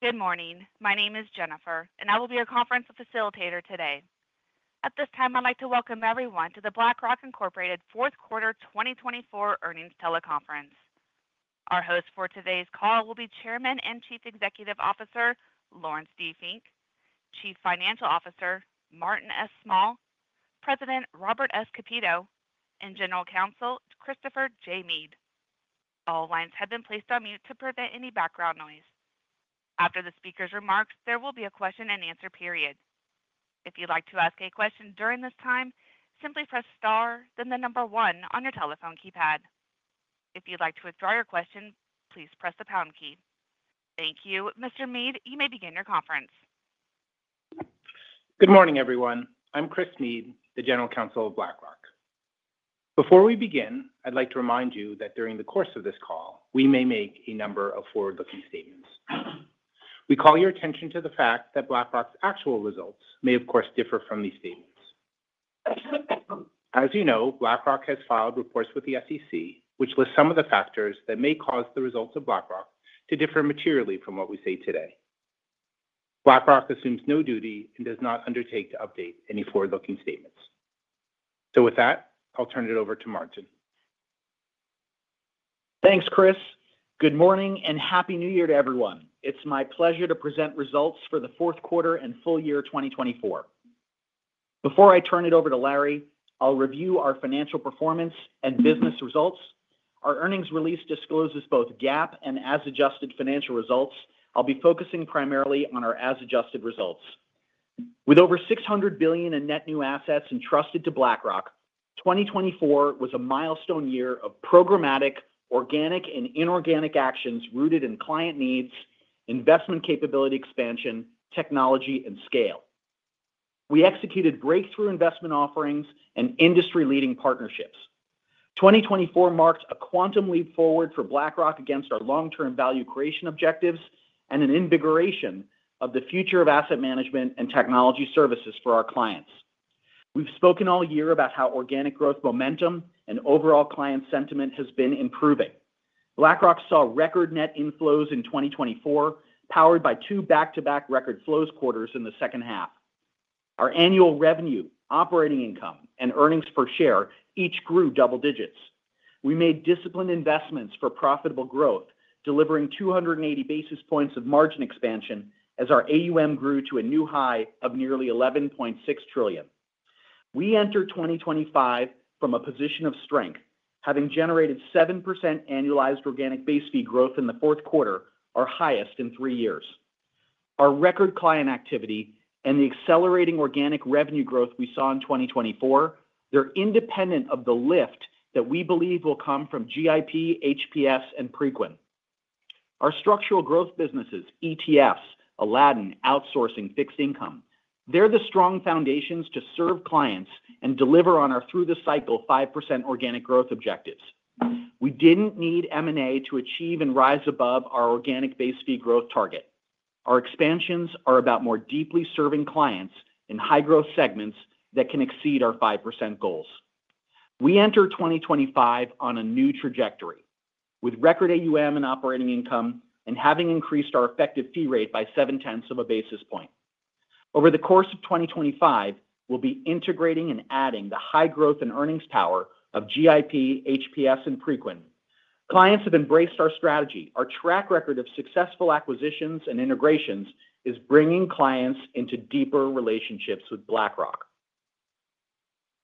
Good morning. My name is Jennifer, and I will be your conference facilitator today. At this time, I'd like to welcome everyone to the BlackRock Incorporated Fourth Quarter 2024 Earnings Teleconference. Our hosts for today's call will be Chairman and Chief Executive Officer Laurence D. Fink, Chief Financial Officer Martin S. Small, President Robert S. Kapito, and General Counsel Christopher J. Meade. All lines have been placed on mute to prevent any background noise. After the speaker's remarks, there will be a question-and-answer period. If you'd like to ask a question during this time, simply press star, then the number one on your telephone keypad. If you'd like to withdraw your question, please press the pound key. Thank you. Mr. Meade, you may begin your conference. Good morning, everyone. I'm Chris Meade, the General Counsel of BlackRock. Before we begin, I'd like to remind you that during the course of this call, we may make a number of forward-looking statements. We call your attention to the fact that BlackRock's actual results may, of course, differ from these statements. As you know, BlackRock has filed reports with the SEC, which list some of the factors that may cause the results of BlackRock to differ materially from what we see today. BlackRock assumes no duty and does not undertake to update any forward-looking statements. So with that, I'll turn it over to Martin. Thanks, Chris. Good morning and happy New Year to everyone. It's my pleasure to present results for the Fourth Quarter and Full Year 2024. Before I turn it over to Larry, I'll review our financial performance and business results. Our earnings release discloses both GAAP and as-adjusted financial results. I'll be focusing primarily on our as-adjusted results. With over $600 billion in net new assets entrusted to BlackRock, 2024 was a milestone year of programmatic, organic, and inorganic actions rooted in client needs, investment capability expansion, technology, and scale. We executed breakthrough investment offerings and industry-leading partnerships. 2024 marked a quantum leap forward for BlackRock against our long-term value creation objectives and an invigoration of the future of asset management and technology services for our clients. We've spoken all year about how organic growth momentum and overall client sentiment has been improving. BlackRock saw record net inflows in 2024, powered by two back-to-back record flows quarters in the second half. Our annual revenue, operating income, and earnings per share each grew double digits. We made disciplined investments for profitable growth, delivering 280 basis points of margin expansion as our AUM grew to a new high of nearly $11.6 trillion. We entered 2025 from a position of strength, having generated 7% annualized organic base fee growth in the fourth quarter, our highest in three years. Our record client activity and the accelerating organic revenue growth we saw in 2024, they're independent of the lift that we believe will come from GIP, HPS, and Preqin. Our structural growth businesses, ETFs, Aladdin, outsourcing, fixed income, they're the strong foundations to serve clients and deliver on our through-the-cycle 5% organic growth objectives. We didn't need M&A to achieve and rise above our organic base fee growth target. Our expansions are about more deeply serving clients in high-growth segments that can exceed our 5% goals. We enter 2025 on a new trajectory with record AUM and operating income and having increased our effective fee rate by 7/10 of a basis point. Over the course of 2025, we'll be integrating and adding the high growth and earnings power of GIP, HPS, and Preqin. Clients have embraced our strategy. Our track record of successful acquisitions and integrations is bringing clients into deeper relationships with BlackRock.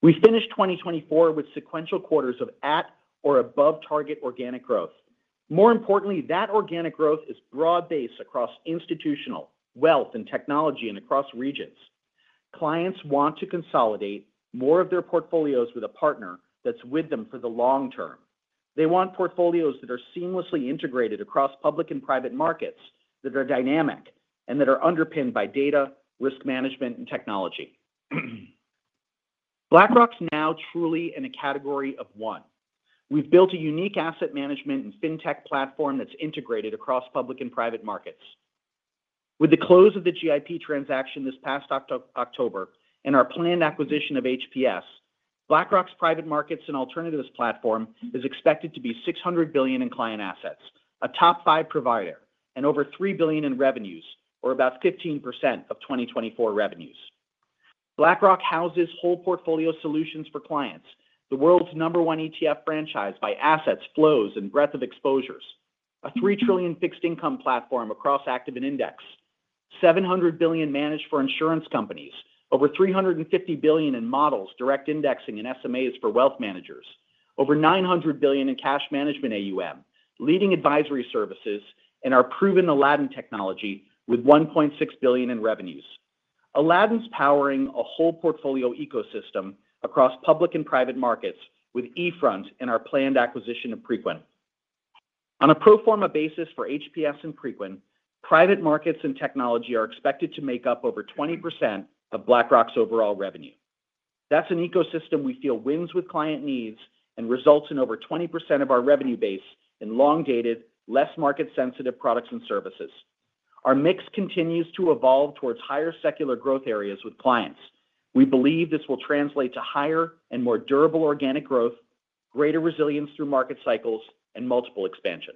We finished 2024 with sequential quarters of at or above target organic growth. More importantly, that organic growth is broad-based across institutional, wealth, and technology, and across regions. Clients want to consolidate more of their portfolios with a partner that's with them for the long term. They want portfolios that are seamlessly integrated across public and private markets, that are dynamic, and that are underpinned by data, risk management, and technology. BlackRock's now truly in a category of one. We've built a unique asset management and fintech platform that's integrated across public and private markets. With the close of the GIP transaction this past October and our planned acquisition of HPS, BlackRock's private markets and alternatives platform is expected to be $600 billion in client assets, a top five provider, and over $3 billion in revenues, or about 15% of 2024 revenues. BlackRock houses whole portfolio solutions for clients, the world's number one ETF franchise by assets, flows, and breadth of exposures, a $3 trillion fixed income platform across active and index, $700 billion managed for insurance companies, over $350 billion in models, direct indexing, and SMAs for wealth managers, over $900 billion in cash management AUM, leading advisory services, and our proven Aladdin technology with $1.6 billion in revenues. Aladdin's powering a whole portfolio ecosystem across public and private markets with eFront and our planned acquisition of Preqin. On a pro forma basis for HPS and Preqin, private markets and technology are expected to make up over 20% of BlackRock's overall revenue. That's an ecosystem we feel wins with client needs and results in over 20% of our revenue base in long-dated, less market-sensitive products and services. Our mix continues to evolve towards higher secular growth areas with clients. We believe this will translate to higher and more durable organic growth, greater resilience through market cycles, and multiple expansion.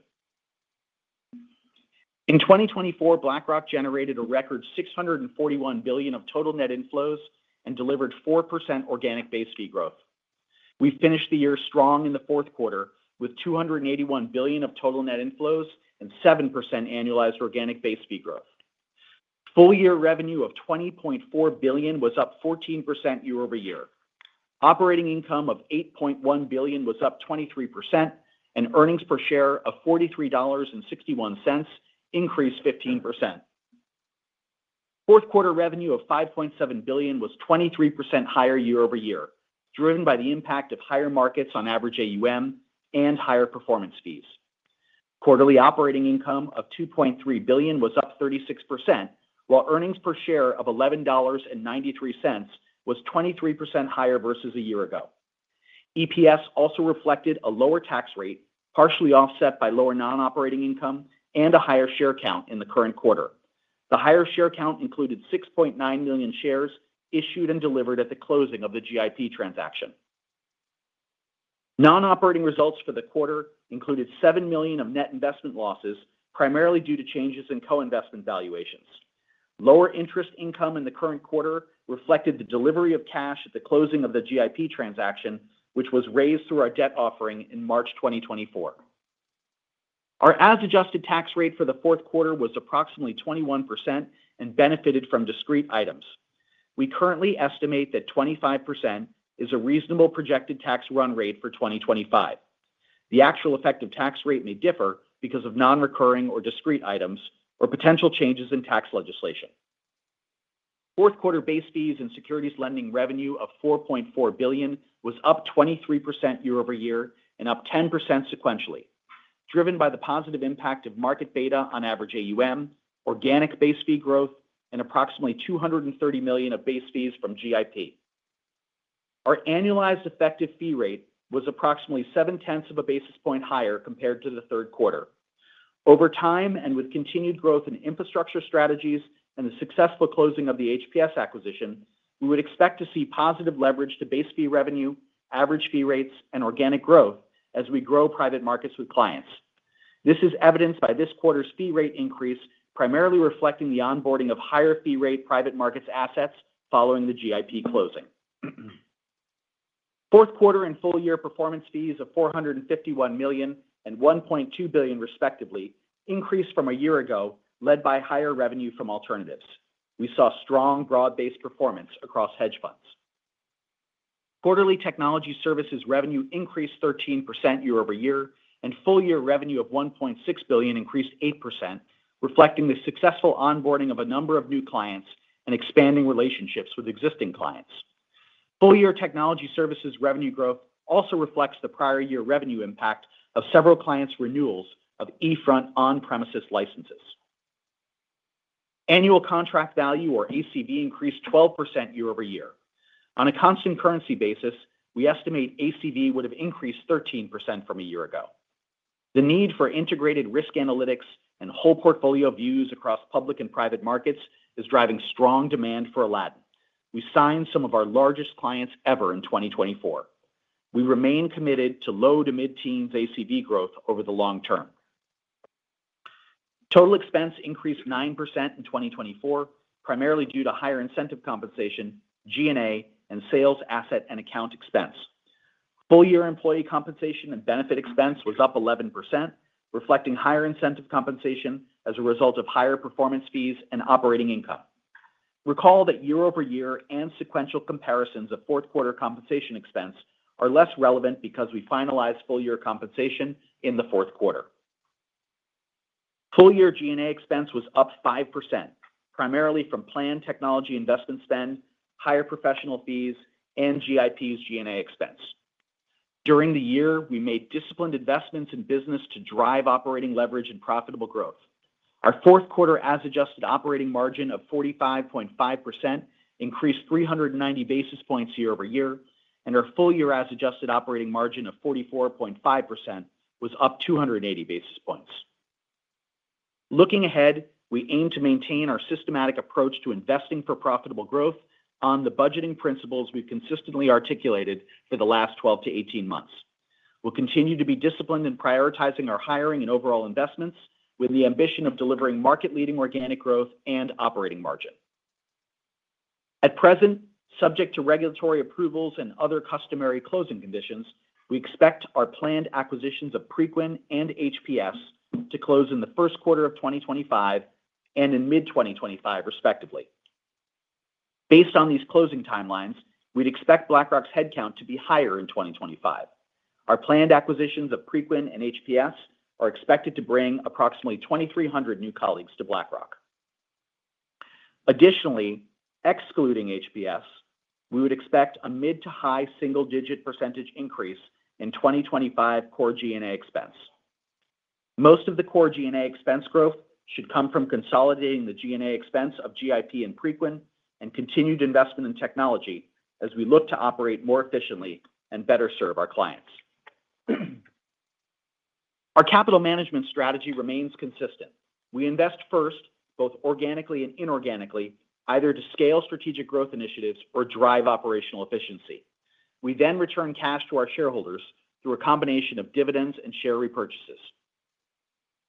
In 2024, BlackRock generated a record $641 billion of total net inflows and delivered 4% organic base fee growth. We finished the year strong in the fourth quarter with $281 billion of total net inflows and 7% annualized organic base fee growth. Full year revenue of $20.4 billion was up 14% year over year. Operating income of $8.1 billion was up 23%, and earnings per share of $43.61 increased 15%. Fourth quarter revenue of $5.7 billion was 23% higher year over year, driven by the impact of higher markets on average AUM and higher performance fees. Quarterly operating income of $2.3 billion was up 36%, while earnings per share of $11.93 was 23% higher versus a year ago. EPS also reflected a lower tax rate, partially offset by lower non-operating income and a higher share count in the current quarter. The higher share count included 6.9 million shares issued and delivered at the closing of the GIP transaction. Non-operating results for the quarter included $7 million of net investment losses, primarily due to changes in co-investment valuations. Lower interest income in the current quarter reflected the delivery of cash at the closing of the GIP transaction, which was raised through our debt offering in March 2024. Our as-adjusted tax rate for the fourth quarter was approximately 21% and benefited from discrete items. We currently estimate that 25% is a reasonable projected tax run rate for 2025. The actual effective tax rate may differ because of non-recurring or discrete items or potential changes in tax legislation. Fourth quarter base fees and securities lending revenue of $4.4 billion was up 23% year over year and up 10% sequentially, driven by the positive impact of market beta on average AUM, organic base fee growth, and approximately $230 million of base fees from GIP. Our annualized effective fee rate was approximately 7/10 of a basis point higher compared to the third quarter. Over time and with continued growth in infrastructure strategies and the successful closing of the HPS acquisition, we would expect to see positive leverage to base fee revenue, average fee rates, and organic growth as we grow private markets with clients. This is evidenced by this quarter's fee rate increase, primarily reflecting the onboarding of higher fee rate private markets assets following the GIP closing. Fourth quarter and full year performance fees of $451 million and $1.2 billion, respectively, increased from a year ago, led by higher revenue from alternatives. We saw strong broad-based performance across hedge funds. Quarterly technology services revenue increased 13% year over year, and full year revenue of $1.6 billion increased 8%, reflecting the successful onboarding of a number of new clients and expanding relationships with existing clients. Full-year technology services revenue growth also reflects the prior year revenue impact of several clients' renewals of eFront on-premises licenses. Annual contract value, or ACV, increased 12% year over year. On a constant currency basis, we estimate ACV would have increased 13% from a year ago. The need for integrated risk analytics and whole portfolio views across public and private markets is driving strong demand for Aladdin. We signed some of our largest clients ever in 2024. We remain committed to low to mid-teens ACV growth over the long term. Total expense increased 9% in 2024, primarily due to higher incentive compensation, G&A, and sales asset and account expense. Full-year employee compensation and benefit expense was up 11%, reflecting higher incentive compensation as a result of higher performance fees and operating income. Recall that year over year and sequential comparisons of fourth quarter compensation expense are less relevant because we finalized full year compensation in the fourth quarter. Full year G&A expense was up 5%, primarily from planned technology investment spend, higher professional fees, and GIP's G&A expense. During the year, we made disciplined investments in business to drive operating leverage and profitable growth. Our fourth quarter as-adjusted operating margin of 45.5% increased 390 basis points year over year, and our full year as-adjusted operating margin of 44.5% was up 280 basis points. Looking ahead, we aim to maintain our systematic approach to investing for profitable growth on the budgeting principles we've consistently articulated for the last 12-18 months. We'll continue to be disciplined in prioritizing our hiring and overall investments with the ambition of delivering market-leading organic growth and operating margin. At present, subject to regulatory approvals and other customary closing conditions, we expect our planned acquisitions of Preqin and HPS to close in the first quarter of 2025 and in mid-2025, respectively. Based on these closing timelines, we'd expect BlackRock's headcount to be higher in 2025. Our planned acquisitions of Preqin and HPS are expected to bring approximately 2,300 new colleagues to BlackRock. Additionally, excluding HPS, we would expect a mid- to high-single-digit % increase in 2025 core G&A expense. Most of the core G&A expense growth should come from consolidating the G&A expense of GIP and Preqin and continued investment in technology as we look to operate more efficiently and better serve our clients. Our capital management strategy remains consistent. We invest first, both organically and inorganically, either to scale strategic growth initiatives or drive operational efficiency. We then return cash to our shareholders through a combination of dividends and share repurchases.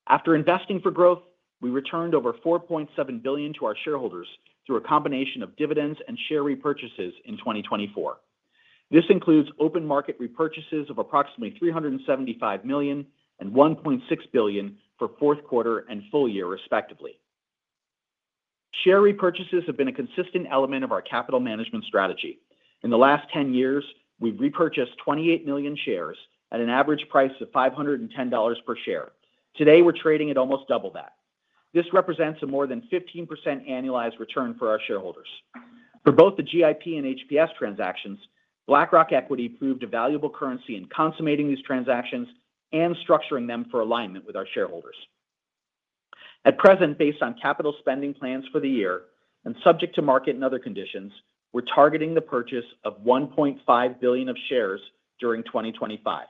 After investing for growth, we returned over $4.7 billion to our shareholders through a combination of dividends and share repurchases in 2024. This includes open market repurchases of approximately $375 million and $1.6 billion for fourth quarter and full year, respectively. Share repurchases have been a consistent element of our capital management strategy. In the last 10 years, we've repurchased 28 million shares at an average price of $510 per share. Today, we're trading at almost double that. This represents a more than 15% annualized return for our shareholders. For both the GIP and HPS transactions, BlackRock Equity proved a valuable currency in consummating these transactions and structuring them for alignment with our shareholders. At present, based on capital spending plans for the year and subject to market and other conditions, we're targeting the purchase of $1.5 billion of shares during 2025.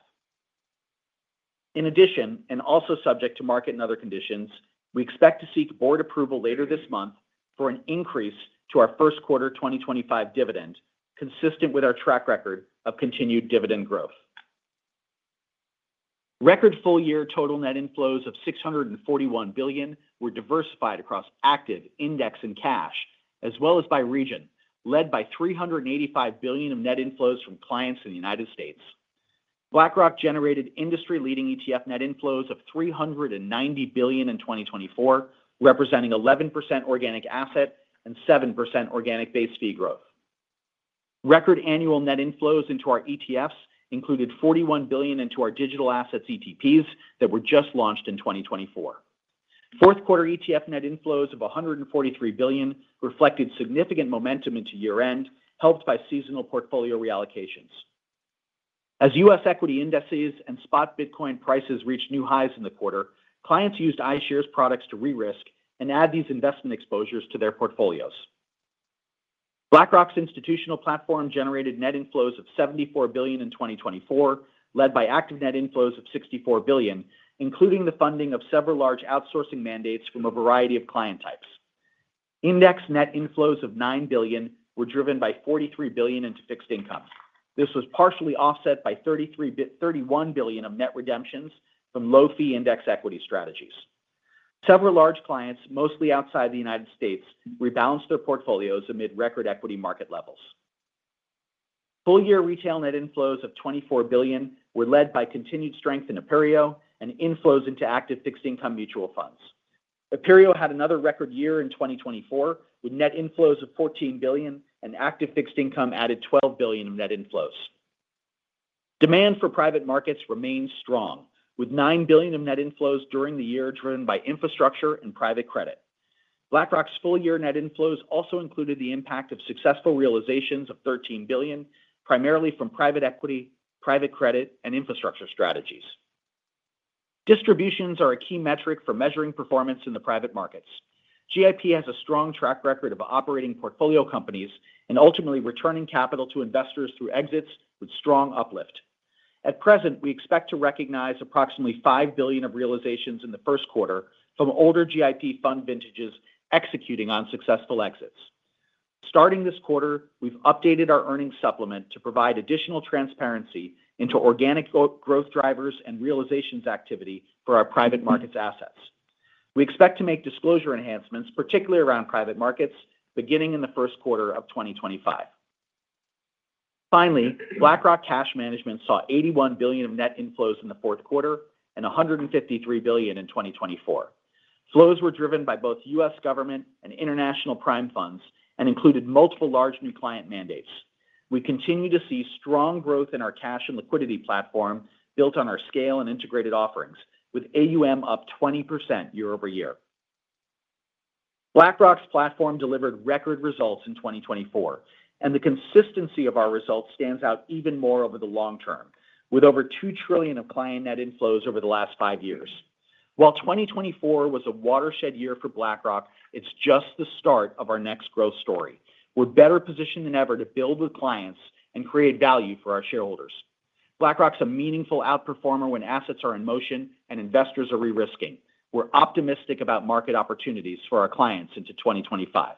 In addition, and also subject to market and other conditions, we expect to seek board approval later this month for an increase to our first quarter 2025 dividend, consistent with our track record of continued dividend growth. Record full year total net inflows of $641 billion were diversified across active, index, and cash, as well as by region, led by $385 billion of net inflows from clients in the United States. BlackRock generated industry-leading ETF net inflows of $390 billion in 2024, representing 11% organic asset and 7% organic base fee growth. Record annual net inflows into our ETFs included $41 billion into our digital assets ETPs that were just launched in 2024. Fourth quarter ETF net inflows of $143 billion reflected significant momentum into year-end, helped by seasonal portfolio reallocations. As U.S. equity indices and spot Bitcoin prices reached new highs in the quarter, clients used iShares products to re-risk and add these investment exposures to their portfolios. BlackRock's institutional platform generated net inflows of $74 billion in 2024, led by active net inflows of $64 billion, including the funding of several large outsourcing mandates from a variety of client types. Index net inflows of $9 billion were driven by $43 billion into fixed income. This was partially offset by $31 billion of net redemptions from low-fee index equity strategies. Several large clients, mostly outside the United States, rebalanced their portfolios amid record equity market levels. Full year retail net inflows of $24 billion were led by continued strength in Aperio and inflows into active fixed income mutual funds. Aperio had another record year in 2024 with net inflows of $14 billion and active fixed income added $12 billion of net inflows. Demand for private markets remains strong, with $9 billion of net inflows during the year driven by infrastructure and private credit. BlackRock's full year net inflows also included the impact of successful realizations of $13 billion, primarily from private equity, private credit, and infrastructure strategies. Distributions are a key metric for measuring performance in the private markets. GIP has a strong track record of operating portfolio companies and ultimately returning capital to investors through exits with strong uplift. At present, we expect to recognize approximately $5 billion of realizations in the first quarter from older GIP fund vintages executing on successful exits. Starting this quarter, we've updated our earnings supplement to provide additional transparency into organic growth drivers and realizations activity for our private markets assets. We expect to make disclosure enhancements, particularly around private markets, beginning in the first quarter of 2025. Finally, BlackRock Cash Management saw $81 billion of net inflows in the fourth quarter and $153 billion in 2024. Flows were driven by both U.S. government and international prime funds and included multiple large new client mandates. We continue to see strong growth in our cash and liquidity platform built on our scale and integrated offerings, with AUM up 20% year over year. BlackRock's platform delivered record results in 2024, and the consistency of our results stands out even more over the long term, with over $2 trillion of client net inflows over the last five years. While 2024 was a watershed year for BlackRock, it's just the start of our next growth story. We're better positioned than ever to build with clients and create value for our shareholders. BlackRock's a meaningful outperformer when assets are in motion and investors are re-risking. We're optimistic about market opportunities for our clients into 2025.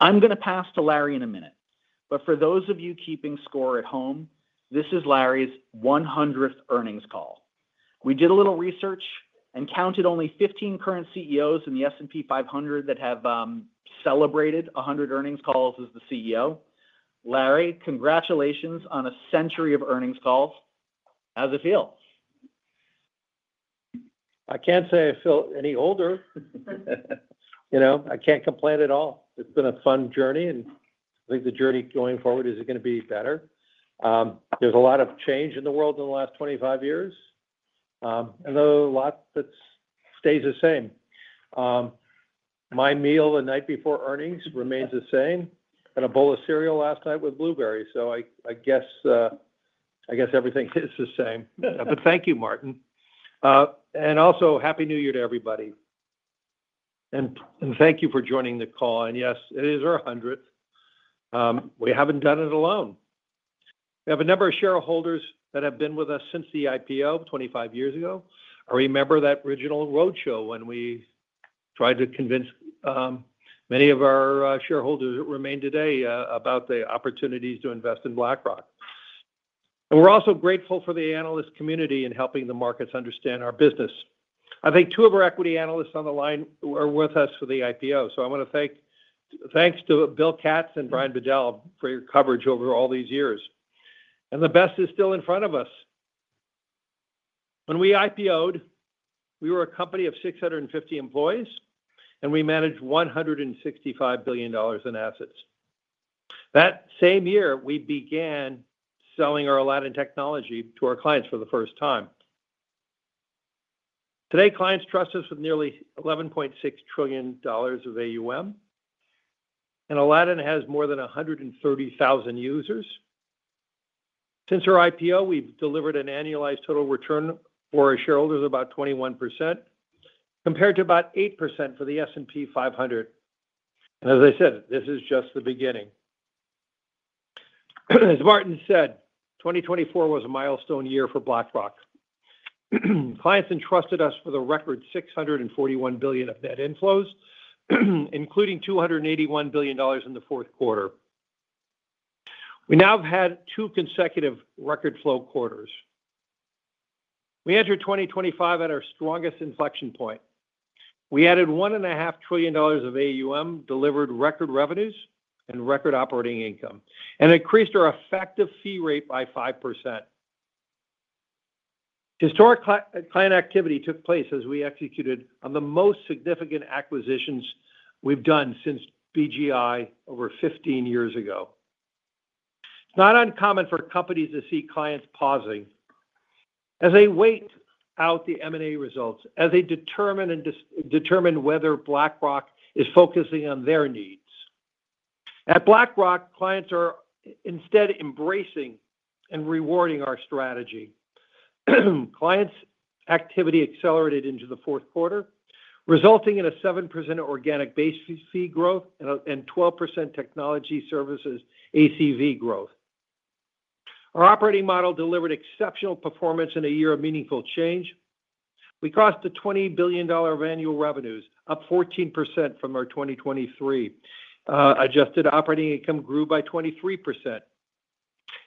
I'm going to pass to Larry in a minute, but for those of you keeping score at home, this is Larry's 100th earnings call. We did a little research and counted only 15 current CEOs in the S&P 500 that have celebrated 100 earnings calls as the CEO. Larry, congratulations on a century of earnings calls. How's it feel? I can't say I feel any older. You know, I can't complain at all. It's been a fun journey, and I think the journey going forward is going to be better. There's a lot of change in the world in the last 25 years, and there's a lot that stays the same. My meal the night before earnings remains the same, and a bowl of cereal last night with blueberries. So I guess everything is the same. But thank you, Martin, and also, happy New Year to everybody. Thank you for joining the call, and yes, it is our 100th. We haven't done it alone. We have a number of shareholders that have been with us since the IPO 25 years ago. I remember that original roadshow when we tried to convince many of our shareholders that remain today about the opportunities to invest in BlackRock. We're also grateful for the analyst community in helping the markets understand our business. I think two of our equity analysts on the line were with us for the IPO. So I want to thank Bill Katz and Brian Bedell for your coverage over all these years. The best is still in front of us. When we IPO, we were a company of 650 employees, and we managed $165 billion in assets. That same year, we began selling our Aladdin technology to our clients for the first time. Today, clients trust us with nearly $11.6 trillion of AUM, and Aladdin has more than 130,000 users. Since our IPO, we've delivered an annualized total return for our shareholders of about 21%, compared to about 8% for the S&P 500. And as I said, this is just the beginning. As Martin said, 2024 was a milestone year for BlackRock. Clients entrusted us with a record $641 billion of net inflows, including $281 billion in the fourth quarter. We now have had two consecutive record flow quarters. We entered 2025 at our strongest inflection point. We added $1.5 trillion of AUM, delivered record revenues and record operating income, and increased our effective fee rate by 5%. Historic client activity took place as we executed on the most significant acquisitions we've done since BGI over 15 years ago. It's not uncommon for companies to see clients pausing as they wait out the M&A results, as they determine whether BlackRock is focusing on their needs. At BlackRock, clients are instead embracing and rewarding our strategy. Clients' activity accelerated into the fourth quarter, resulting in a 7% organic base fee growth and 12% technology services ACV growth. Our operating model delivered exceptional performance in a year of meaningful change. We crossed the $20 billion of annual revenues, up 14% from our 2023. Adjusted operating income grew by 23%.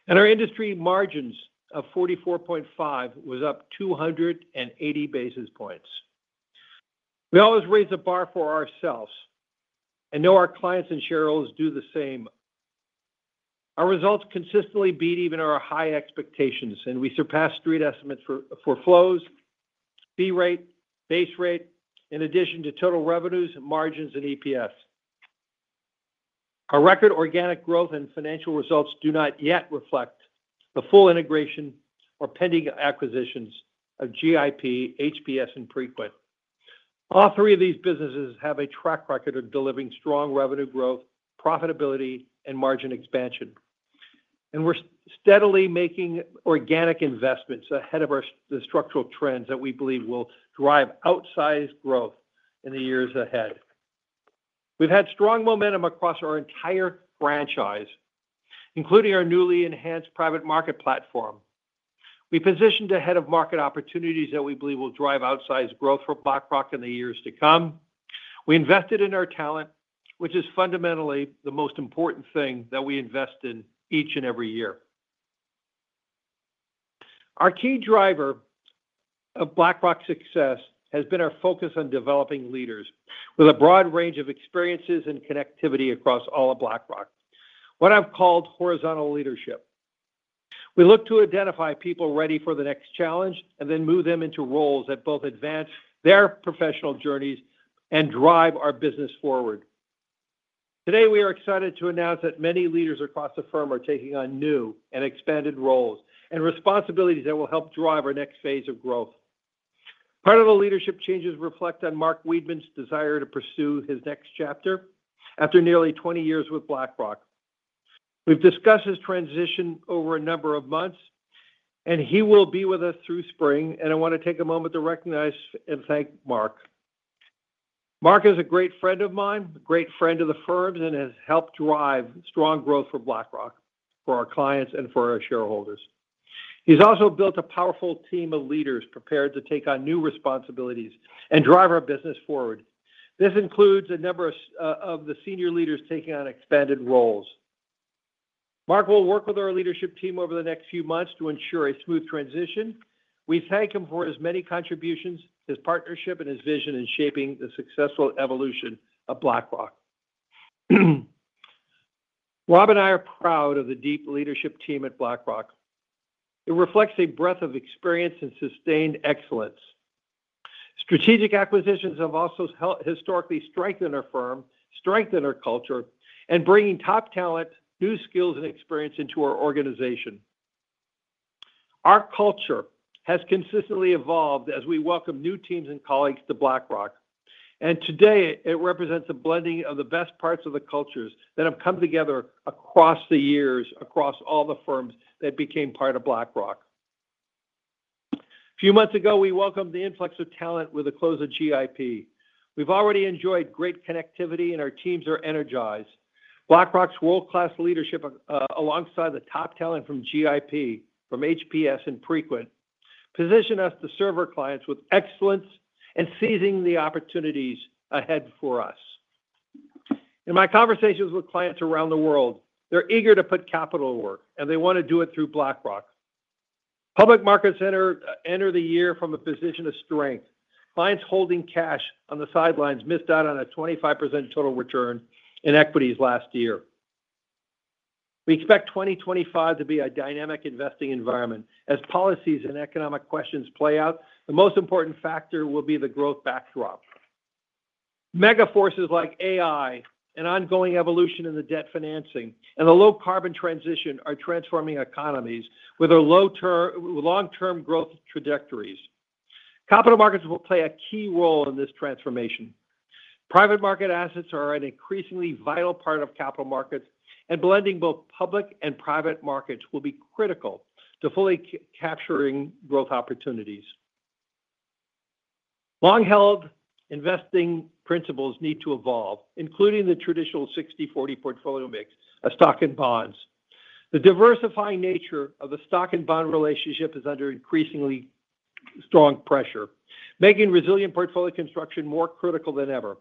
And our adjusted margins of 44.5% was up 280 basis points. We always raise a bar for ourselves and know our clients and shareholders do the same. Our results consistently beat even our high expectations, and we surpassed street estimates for flows, fee rate, base rate, in addition to total revenues, margins, and EPS. Our record organic growth and financial results do not yet reflect the full integration or pending acquisitions of GIP, HPS, and Preqin. All three of these businesses have a track record of delivering strong revenue growth, profitability, and margin expansion, and we're steadily making organic investments ahead of the structural trends that we believe will drive outsized growth in the years ahead. We've had strong momentum across our entire franchise, including our newly enhanced private market platform. We positioned ahead of market opportunities that we believe will drive outsized growth for BlackRock in the years to come. We invested in our talent, which is fundamentally the most important thing that we invest in each and every year. Our key driver of BlackRock's success has been our focus on developing leaders with a broad range of experiences and connectivity across all of BlackRock, what I've called horizontal leadership. We look to identify people ready for the next challenge and then move them into roles that both advance their professional journeys and drive our business forward. Today, we are excited to announce that many leaders across the firm are taking on new and expanded roles and responsibilities that will help drive our next phase of growth. Part of the leadership changes reflect on Mark Wiedman's desire to pursue his next chapter after nearly 20 years with BlackRock. We've discussed his transition over a number of months, and he will be with us through spring. And I want to take a moment to recognize and thank Mark. Mark is a great friend of mine, a great friend of the firm, and has helped drive strong growth for BlackRock, for our clients, and for our shareholders. He's also built a powerful team of leaders prepared to take on new responsibilities and drive our business forward. This includes a number of the senior leaders taking on expanded roles. Mark will work with our leadership team over the next few months to ensure a smooth transition. We thank him for his many contributions, his partnership, and his vision in shaping the successful evolution of BlackRock. Rob and I are proud of the deep leadership team at BlackRock. It reflects a breadth of experience and sustained excellence. Strategic acquisitions have also historically strengthened our firm, strengthened our culture, and brought top talent, new skills, and experience into our organization. Our culture has consistently evolved as we welcome new teams and colleagues to BlackRock. Today, it represents a blending of the best parts of the cultures that have come together across the years, across all the firms that became part of BlackRock. A few months ago, we welcomed the influx of talent with the close of GIP. We've already enjoyed great connectivity, and our teams are energized. BlackRock's world-class leadership alongside the top talent from GIP, from HPS, and Preqin positioned us to serve our clients with excellence and seizing the opportunities ahead for us. In my conversations with clients around the world, they're eager to put capital to work, and they want to do it through BlackRock. Public Markets entered the year from a position of strength. Clients holding cash on the sidelines missed out on a 25% total return in equities last year. We expect 2025 to be a dynamic investing environment. As policies and economic questions play out, the most important factor will be the growth backdrop. Mega forces like AI, an ongoing evolution in the debt financing, and the low-carbon transition are transforming economies with long-term growth trajectories. Capital markets will play a key role in this transformation. Private market assets are an increasingly vital part of capital markets, and blending both public and private markets will be critical to fully capturing growth opportunities. Long-held investing principles need to evolve, including the traditional 60/40 portfolio mix of stocks and bonds. The diversifying nature of the stock and bond relationship is under increasingly strong pressure, making resilient portfolio construction more critical than ever.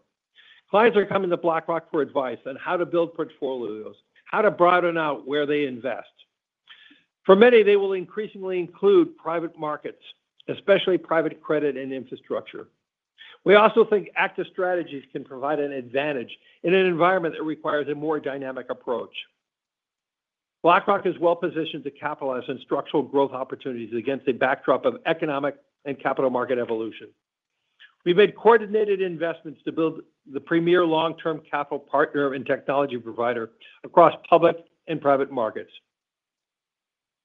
Clients are coming to BlackRock for advice on how to build portfolios, how to broaden out where they invest. For many, they will increasingly include private markets, especially private credit and infrastructure. We also think active strategies can provide an advantage in an environment that requires a more dynamic approach. BlackRock is well-positioned to capitalize on structural growth opportunities against a backdrop of economic and capital market evolution. We've made coordinated investments to build the premier long-term capital partner and technology provider across public and private markets.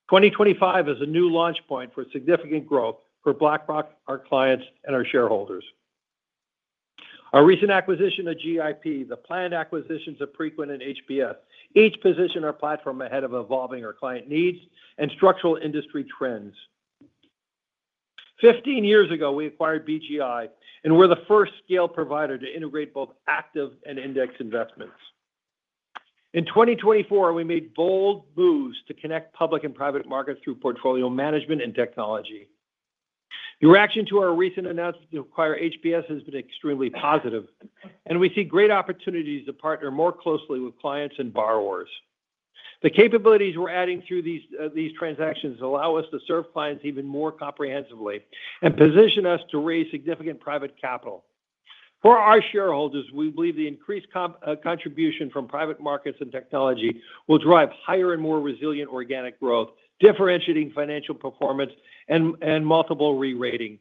2025 is a new launch point for significant growth for BlackRock, our clients, and our shareholders. Our recent acquisition of GIP, the planned acquisitions of Preqin and HPS, each position our platform ahead of evolving our client needs and structural industry trends. Fifteen years ago, we acquired BGI, and we're the first scale provider to integrate both active and index investments. In 2024, we made bold moves to connect public and private markets through portfolio management and technology. Your reaction to our recent announcement to acquire HPS has been extremely positive, and we see great opportunities to partner more closely with clients and borrowers. The capabilities we're adding through these transactions allow us to serve clients even more comprehensively and position us to raise significant private capital. For our shareholders, we believe the increased contribution from private markets and technology will drive higher and more resilient organic growth, differentiating financial performance and multiple re-rating.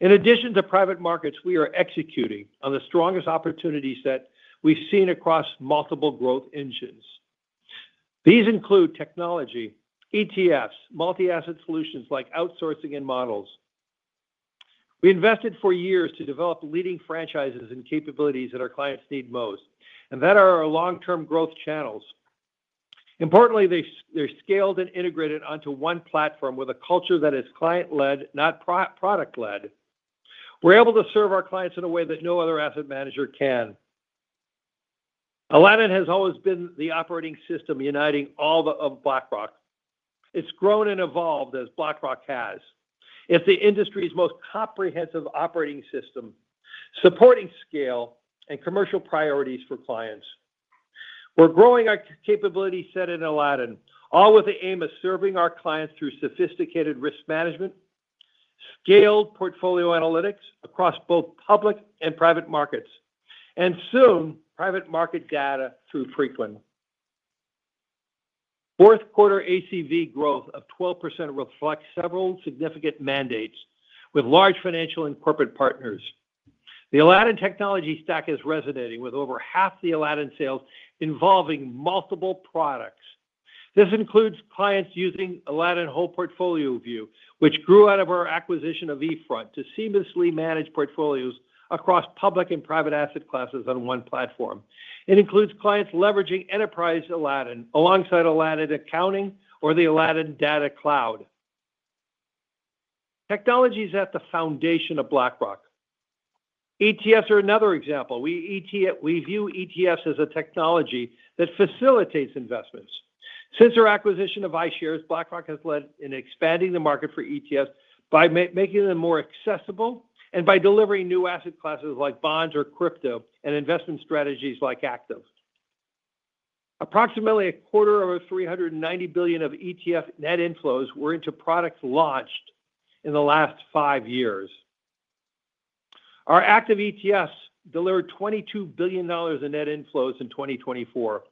In addition to private markets, we are executing on the strongest opportunity set we've seen across multiple growth engines. These include technology, ETFs, multi-asset solutions like outsourcing and models. We invested for years to develop leading franchises and capabilities that our clients need most, and that are our long-term growth channels. Importantly, they're scaled and integrated onto one platform with a culture that is client-led, not product-led. We're able to serve our clients in a way that no other asset manager can. Aladdin has always been the operating system uniting all of BlackRock. It's grown and evolved as BlackRock has. It's the industry's most comprehensive operating system, supporting scale and commercial priorities for clients. We're growing our capability set in Aladdin, all with the aim of serving our clients through sophisticated risk management, scaled portfolio analytics across both public and private markets, and soon, private market data through Preqin. Fourth-quarter ACV growth of 12% reflects several significant mandates with large financial and corporate partners. The Aladdin technology stack is resonating with over half the Aladdin sales involving multiple products. This includes clients using Aladdin Whole Portfolio View, which grew out of our acquisition of eFront to seamlessly manage portfolios across public and private asset classes on one platform. It includes clients leveraging enterprise Aladdin alongside Aladdin Accounting or the Aladdin Data Cloud. Technology is at the foundation of BlackRock. ETFs are another example. We view ETFs as a technology that facilitates investments. Since our acquisition of iShares, BlackRock has led in expanding the market for ETFs by making them more accessible and by delivering new asset classes like bonds or crypto and investment strategies like active. Approximately a quarter of our $390 billion of ETF net inflows were into products launched in the last five years. Our active ETFs delivered $22 billion in net inflows in 2024,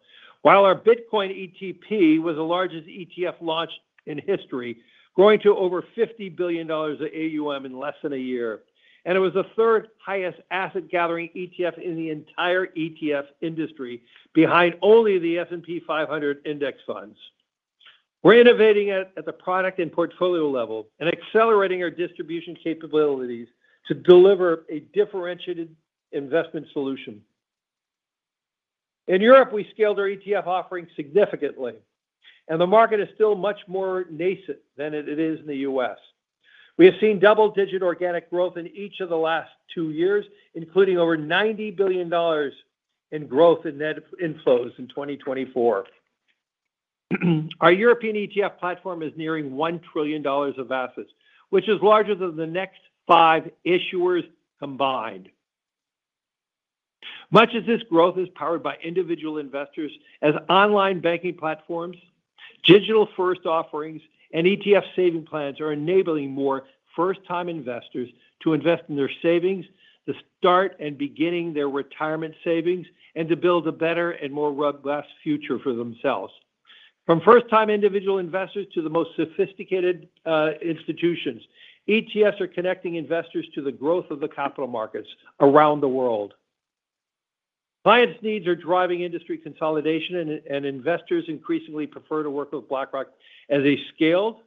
while our Bitcoin ETP was the largest ETF launched in history, growing to over $50 billion of AUM in less than a year, and it was the third highest asset-gathering ETF in the entire ETF industry, behind only the S&P 500 index funds. We're innovating at the product and portfolio level and accelerating our distribution capabilities to deliver a differentiated investment solution. In Europe, we scaled our ETF offering significantly, and the market is still much more nascent than it is in the U.S. We have seen double-digit organic growth in each of the last two years, including over $90 billion in growth in net inflows in 2024. Our European ETF platform is nearing $1 trillion of assets, which is larger than the next five issuers combined. Much as this growth is powered by individual investors, as online banking platforms, digital-first offerings, and ETF saving plans are enabling more first-time investors to invest in their savings, to start and begin their retirement savings, and to build a better and more robust future for themselves. From first-time individual investors to the most sophisticated institutions, ETFs are connecting investors to the growth of the capital markets around the world. Clients' needs are driving industry consolidation, and investors increasingly prefer to work with BlackRock as a scaled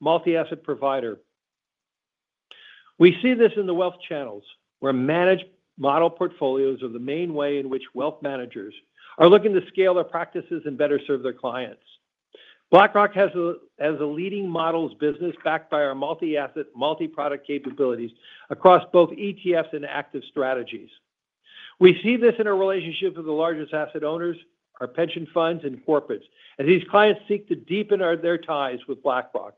multi-asset provider. We see this in the wealth channels, where managed model portfolios are the main way in which wealth managers are looking to scale their practices and better serve their clients. BlackRock has a leading models business backed by our multi-asset, multi-product capabilities across both ETFs and active strategies. We see this in our relationship with the largest asset owners, our pension funds, and corporates, as these clients seek to deepen their ties with BlackRock.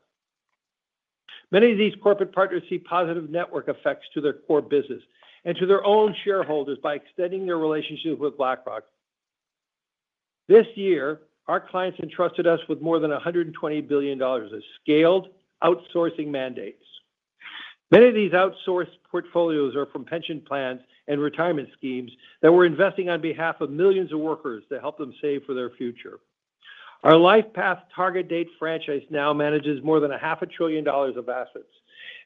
Many of these corporate partners see positive network effects to their core business and to their own shareholders by extending their relationship with BlackRock. This year, our clients entrusted us with more than $120 billion of scaled outsourcing mandates. Many of these outsourced portfolios are from pension plans and retirement schemes that we're investing on behalf of millions of workers to help them save for their future. Our LifePath Target Date franchise now manages more than $500 billion of assets,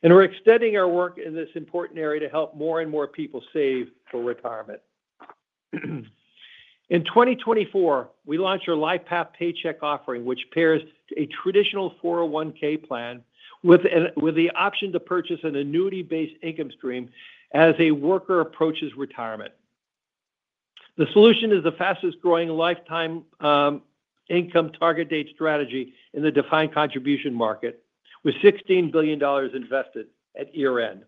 and we're extending our work in this important area to help more and more people save for retirement. In 2024, we launched our LifePath Paycheck offering, which pairs a traditional 401(k) plan with the option to purchase an annuity-based income stream as a worker approaches retirement. The solution is the fastest-growing lifetime income target date strategy in the defined contribution market, with $16 billion invested at year-end.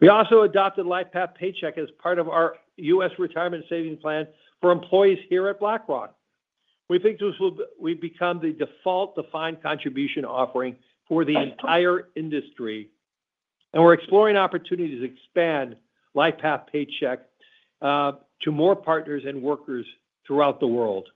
We also adopted LifePath Paycheck as part of our U.S. retirement savings plan for employees here at BlackRock. We think this will become the default defined contribution offering for the entire industry, and we're exploring opportunities to expand LifePath Paycheck to more partners and workers throughout the world.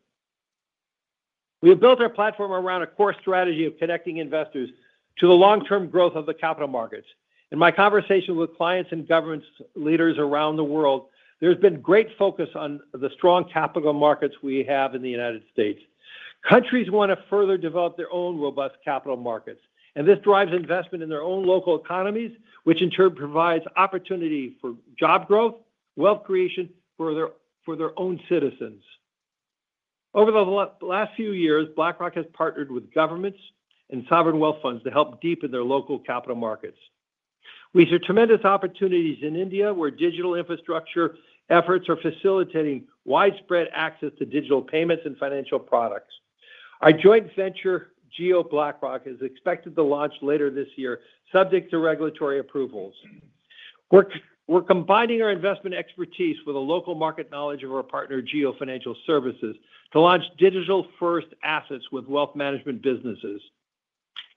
We have built our platform around a core strategy of connecting investors to the long-term growth of the capital markets. In my conversations with clients and government leaders around the world, there's been great focus on the strong capital markets we have in the United States. Countries want to further develop their own robust capital markets, and this drives investment in their own local economies, which in turn provides opportunity for job growth, wealth creation for their own citizens. Over the last few years, BlackRock has partnered with governments and sovereign wealth funds to help deepen their local capital markets. We see tremendous opportunities in India, where digital infrastructure efforts are facilitating widespread access to digital payments and financial products. Our joint venture, Jio BlackRock, is expected to launch later this year, subject to regulatory approvals. We're combining our investment expertise with a local market knowledge of our partner, Jio Financial Services, to launch digital-first assets with Wealth Management businesses.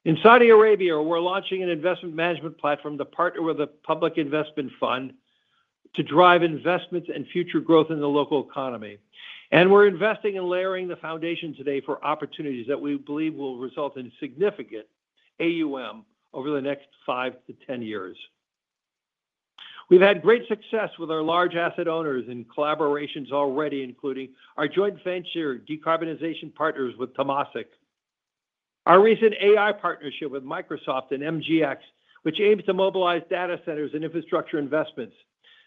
In Saudi Arabia, we're launching an investment management platform to partner with the Public Investment Fund to drive investments and future growth in the local economy, and we're investing and layering the foundation today for opportunities that we believe will result in significant AUM over the next five to 10 years. We've had great success with our large asset owners and collaborations already, including our joint venture decarbonization partners with Temasek. Our recent AI partnership with Microsoft and MGX, which aims to mobilize data centers and infrastructure investments.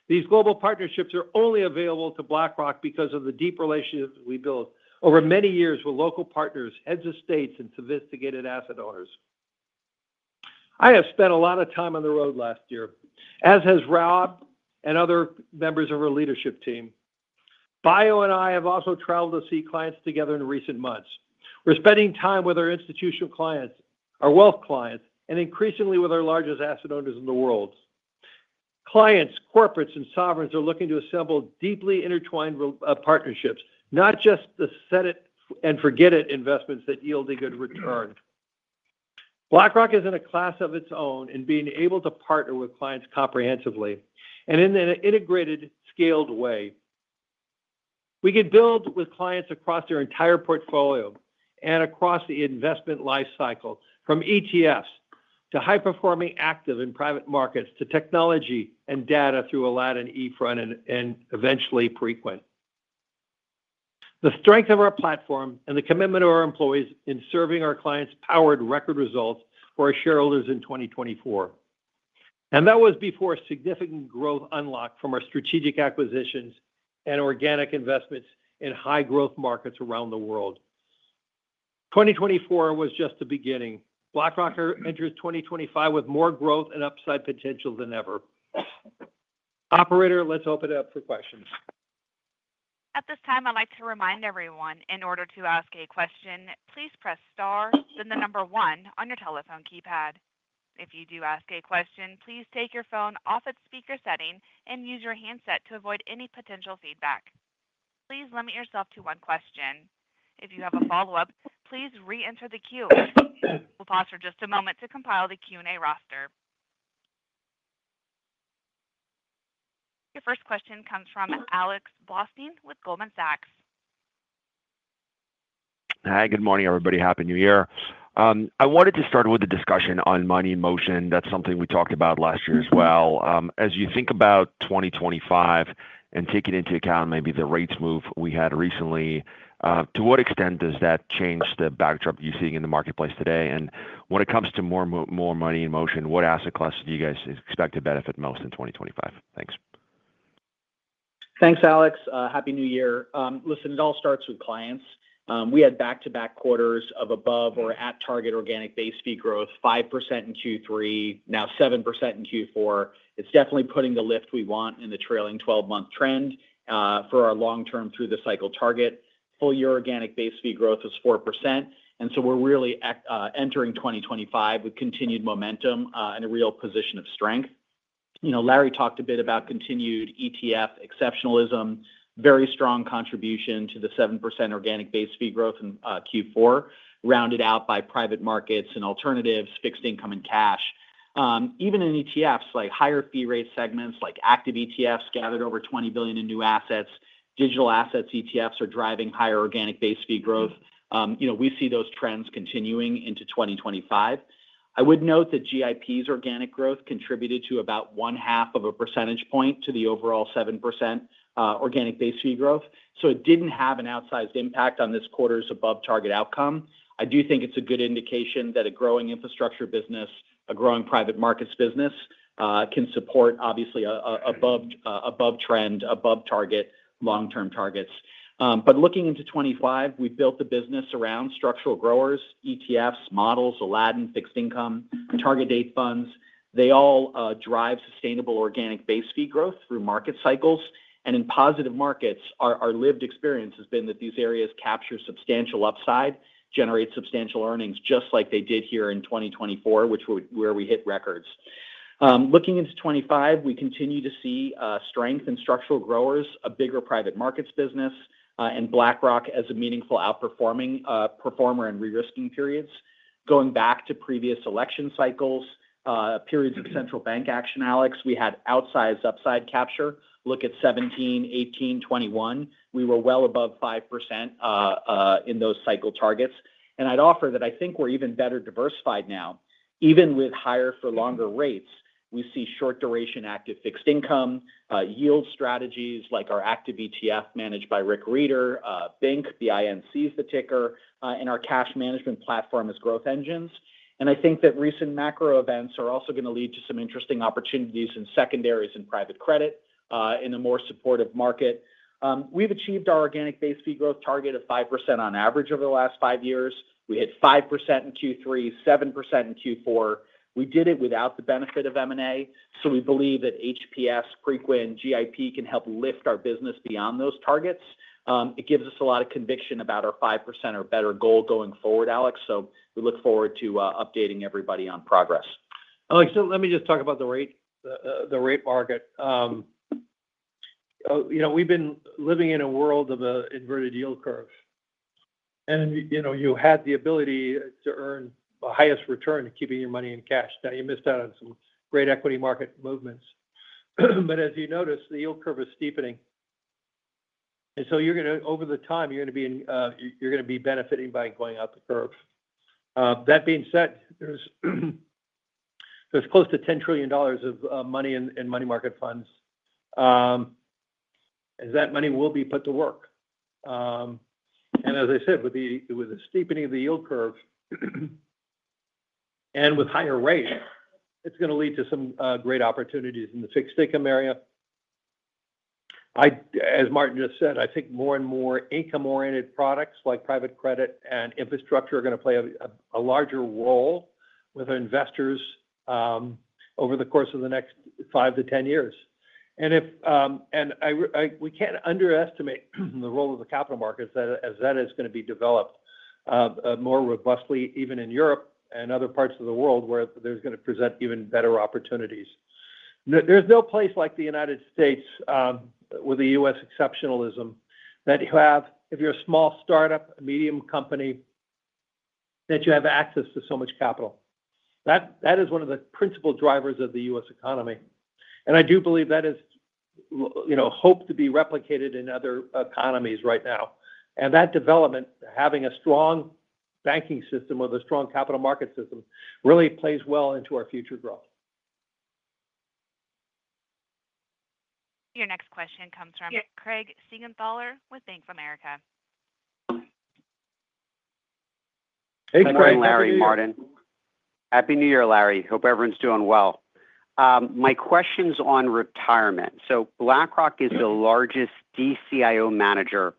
These global partnerships are only available to BlackRock because of the deep relationships we built over many years with local partners, heads of state, and sophisticated asset owners. I have spent a lot of time on the road last year, as has Rob and other members of our leadership team. Bayo and I have also traveled to see clients together in recent months. We're spending time with our institutional clients, our wealth clients, and increasingly with our largest asset owners in the world. Clients, corporates, and sovereigns are looking to assemble deeply intertwined partnerships, not just the set-it-and-forget-it investments that yield a good return. BlackRock is in a class of its own in being able to partner with clients comprehensively and in an integrated, scaled way. We can build with clients across their entire portfolio and across the investment life cycle, from ETFs to high-performing active and private markets to technology and data through Aladdin, eFront, and eventually Preqin. The strength of our platform and the commitment of our employees in serving our clients powered record results for our shareholders in 2024. And that was before significant growth unlocked from our strategic acquisitions and organic investments in high-growth markets around the world. 2024 was just the beginning. BlackRock enters 2025 with more growth and upside potential than ever. Operator, let's open it up for questions. At this time, I'd like to remind everyone, in order to ask a question, please press star, then the number one on your telephone keypad. If you do ask a question, please take your phone off its speaker setting and use your handset to avoid any potential feedback. Please limit yourself to one question. If you have a follow-up, please re-enter the queue. We'll pause for just a moment to compile the Q&A roster. Your first question comes from Alex Blostein with Goldman Sachs. Hi, good morning, everybody. Happy New Year. I wanted to start with the discussion on money in motion. That's something we talked about last year as well. As you think about 2025 and take it into account, maybe the rates move we had recently, to what extent does that change the backdrop you're seeing in the marketplace today? And when it comes to more money in motion, what asset class do you guys expect to benefit most in 2025? Thanks. Thanks, Alex. Happy New Year. Listen, it all starts with clients. We had back-to-back quarters of above or at-target organic base fee growth, 5% in Q3, now 7% in Q4. It's definitely putting the lift we want in the trailing 12-month trend for our long-term through-the-cycle target. Full-year organic base fee growth is 4%. And so we're really entering 2025 with continued momentum and a real position of strength. Larry talked a bit about continued ETF exceptionalism, very strong contribution to the 7% organic base fee growth in Q4, rounded out by private markets and alternatives, fixed income and cash. Even in ETFs, like higher fee rate segments, like active ETFs gathered over $20 billion in new assets. Digital assets ETFs are driving higher organic base fee growth. We see those trends continuing into 2025. I would note that GIP's organic growth contributed to about 0.5 of a percentage point to the overall 7% organic base fee growth. So it didn't have an outsized impact on this quarter's above-target outcome. I do think it's a good indication that a growing infrastructure business, a growing private markets business can support, obviously, above-target, long-term targets. But looking into 2025, we've built the business around structural growers, ETFs, models, Aladdin, fixed income, target date funds. They all drive sustainable organic base fee growth through market cycles. And in positive markets, our lived experience has been that these areas capture substantial upside, generate substantial earnings just like they did here in 2024, where we hit records. Looking into 2025, we continue to see strength in structural growers, a bigger private markets business, and BlackRock as a meaningful outperforming performer in re-risking periods. Going back to previous election cycles, periods of central bank action, Alex, we had outsized upside capture. Look at 2017, 2018, 2021. We were well above 5% in those cycle targets. And I'd offer that I think we're even better diversified now. Even with higher-for-longer rates, we see short-duration active fixed income yield strategies like our active ETF managed by Rick Rieder, BINC, BINC is the ticker, and our cash management platform as growth engines. And I think that recent macro events are also going to lead to some interesting opportunities in secondaries and private credit in a more supportive market. We've achieved our organic base fee growth target of 5% on average over the last five years. We hit 5% in Q3, 7% in Q4. We did it without the benefit of M&A. So we believe that HPS, Preqin, GIP can help lift our business beyond those targets. It gives us a lot of conviction about our 5% or better goal going forward, Alex. So we look forward to updating everybody on progress. Alex, let me just talk about the rate market. We've been living in a world of inverted yield curves. And you had the ability to earn the highest return keeping your money in cash. Now, you missed out on some great equity market movements. But as you notice, the yield curve is steepening. And so over the time, you're going to be benefiting by going up the curve. That being said, there's close to $10 trillion of money in money market funds. And that money will be put to work. And as I said, with the steepening of the yield curve and with higher rates, it's going to lead to some great opportunities in the fixed income area. As Martin just said, I think more and more income-oriented products like private credit and infrastructure are going to play a larger role with investors over the course of the next five to 10 years. We can't underestimate the role of the capital markets as that is going to be developed more robustly, even in Europe and other parts of the world where there's going to present even better opportunities. There's no place like the United States with the U.S. exceptionalism that you have, if you're a small startup, a medium company, that you have access to so much capital. That is one of the principal drivers of the U.S. economy. I do believe that is hoped to be replicated in other economies right now. That development, having a strong banking system with a strong capital market system, really plays well into our future growth. Your next question comes from Craig Siegenthaler with Bank of America. Hey, Craig. Hi, Larry, Martin. Happy New Year, Larry. Hope everyone's doing well. My question's on retirement. So BlackRock is the largest DCIO manager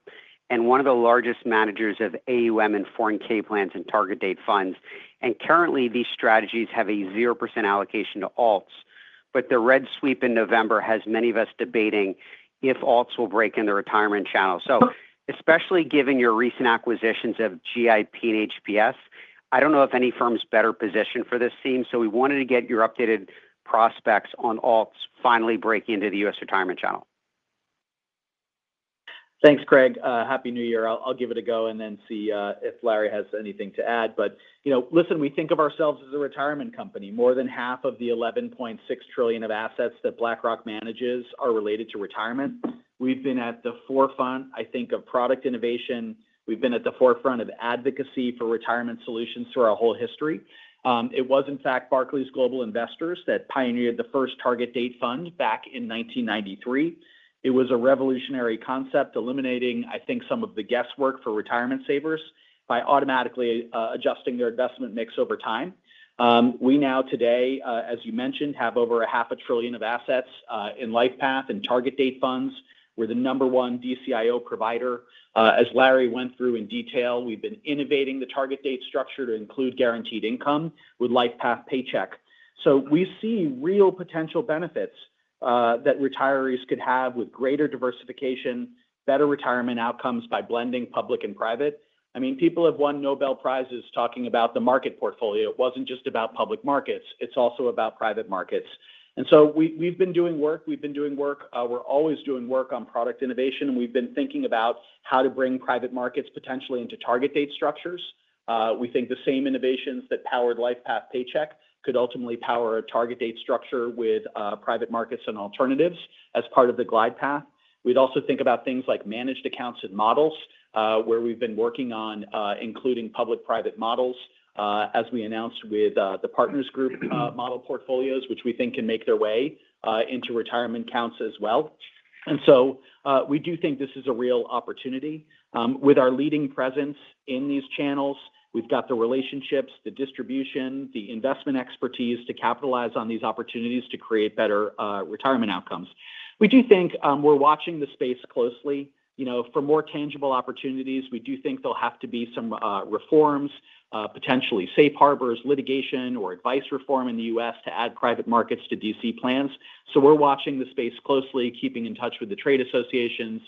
and one of the largest managers of AUM and 401(k) plans and target date funds. And currently, these strategies have a 0% allocation to alts. But the red wave in November has many of us debating if alts will break in the retirement channel. So especially given your recent acquisitions of GIP and HPS, I don't know if any firm's better positioned for this, it seems. So we wanted to get your updated perspective on alts finally breaking into the U.S. retirement channel. Thanks, Craig. Happy New Year. I'll give it a go and then see if Larry has anything to add. But listen, we think of ourselves as a retirement company. More than half of the $11.6 trillion of assets that BlackRock manages are related to retirement. We've been at the forefront, I think, of product innovation. We've been at the forefront of advocacy for retirement solutions through our whole history. It was, in fact, Barclays Global Investors that pioneered the first target date fund back in 1993. It was a revolutionary concept, eliminating, I think, some of the guesswork for retirement savers by automatically adjusting their investment mix over time. We now, today, as you mentioned, have over $500 billion of assets in LifePath and target date funds. We're the number one DCIO provider. As Larry went through in detail, we've been innovating the target date structure to include guaranteed income with LifePath Paycheck, so we see real potential benefits that retirees could have with greater diversification, better retirement outcomes by blending public and private. I mean, people have won Nobel Prizes talking about the market portfolio. It wasn't just about public markets. It's also about private markets, and so we've been doing work. We've been doing work. We're always doing work on product innovation, and we've been thinking about how to bring private markets potentially into target date structures. We think the same innovations that powered LifePath Paycheck could ultimately power a target date structure with private markets and alternatives as part of the glide path. We'd also think about things like managed accounts and models, where we've been working on including public-private models as we announced with the Partners Group model portfolios, which we think can make their way into retirement accounts as well, and so we do think this is a real opportunity. With our leading presence in these channels, we've got the relationships, the distribution, the investment expertise to capitalize on these opportunities to create better retirement outcomes. We do think we're watching the space closely. For more tangible opportunities, we do think there'll have to be some reforms, potentially safe harbors, litigation, or advice reform in the U.S. to add private markets to DC plans. So we're watching the space closely, keeping in touch with the trade associations.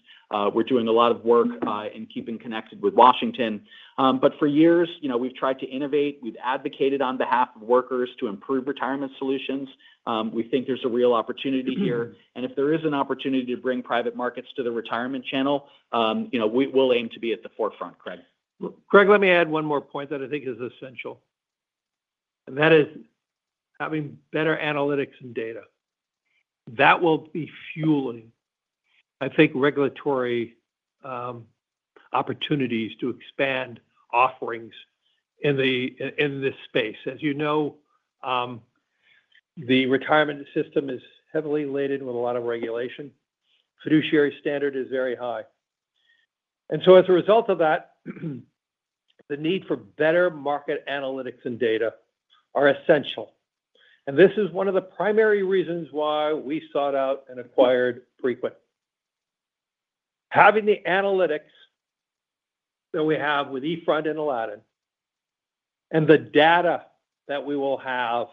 We're doing a lot of work in keeping connected with Washington. But for years, we've tried to innovate. We've advocated on behalf of workers to improve retirement solutions. We think there's a real opportunity here. And if there is an opportunity to bring private markets to the retirement channel, we'll aim to be at the forefront, Craig. Craig, let me add one more point that I think is essential. And that is having better analytics and data. That will be fueling, I think, regulatory opportunities to expand offerings in this space. As you know, the retirement system is heavily laden with a lot of regulation. Fiduciary standard is very high, and so as a result of that, the need for better market analytics and data are essential, and this is one of the primary reasons why we sought out and acquired Preqin. Having the analytics that we have with eFront and Aladdin and the data that we will have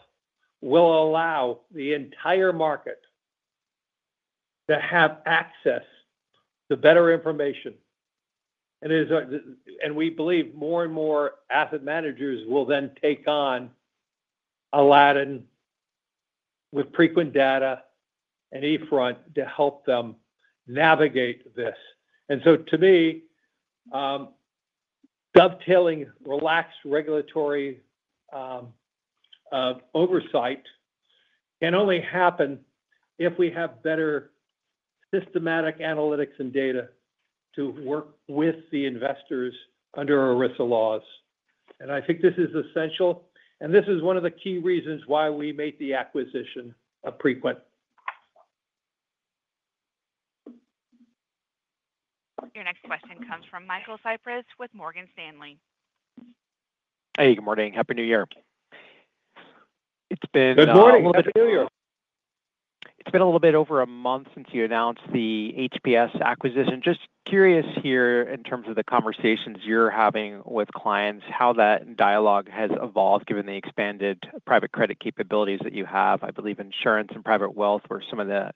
will allow the entire market to have access to better information, and we believe more and more asset managers will then take on Aladdin with Preqin data and eFront to help them navigate this, and so to me, dovetailing relaxed regulatory oversight can only happen if we have better systematic analytics and data to work with the investors under ERISA laws, and I think this is essential, and this is one of the key reasons why we made the acquisition of Preqin. Your next question comes from Michael Cyprys with Morgan Stanley. Hey, good morning. Happy New Year. It's been a little bit over a month since you announced the HPS acquisition. Just curious here in terms of the conversations you're having with clients, how that dialogue has evolved given the expanded private credit capabilities that you have? I believe insurance and private wealth were some of the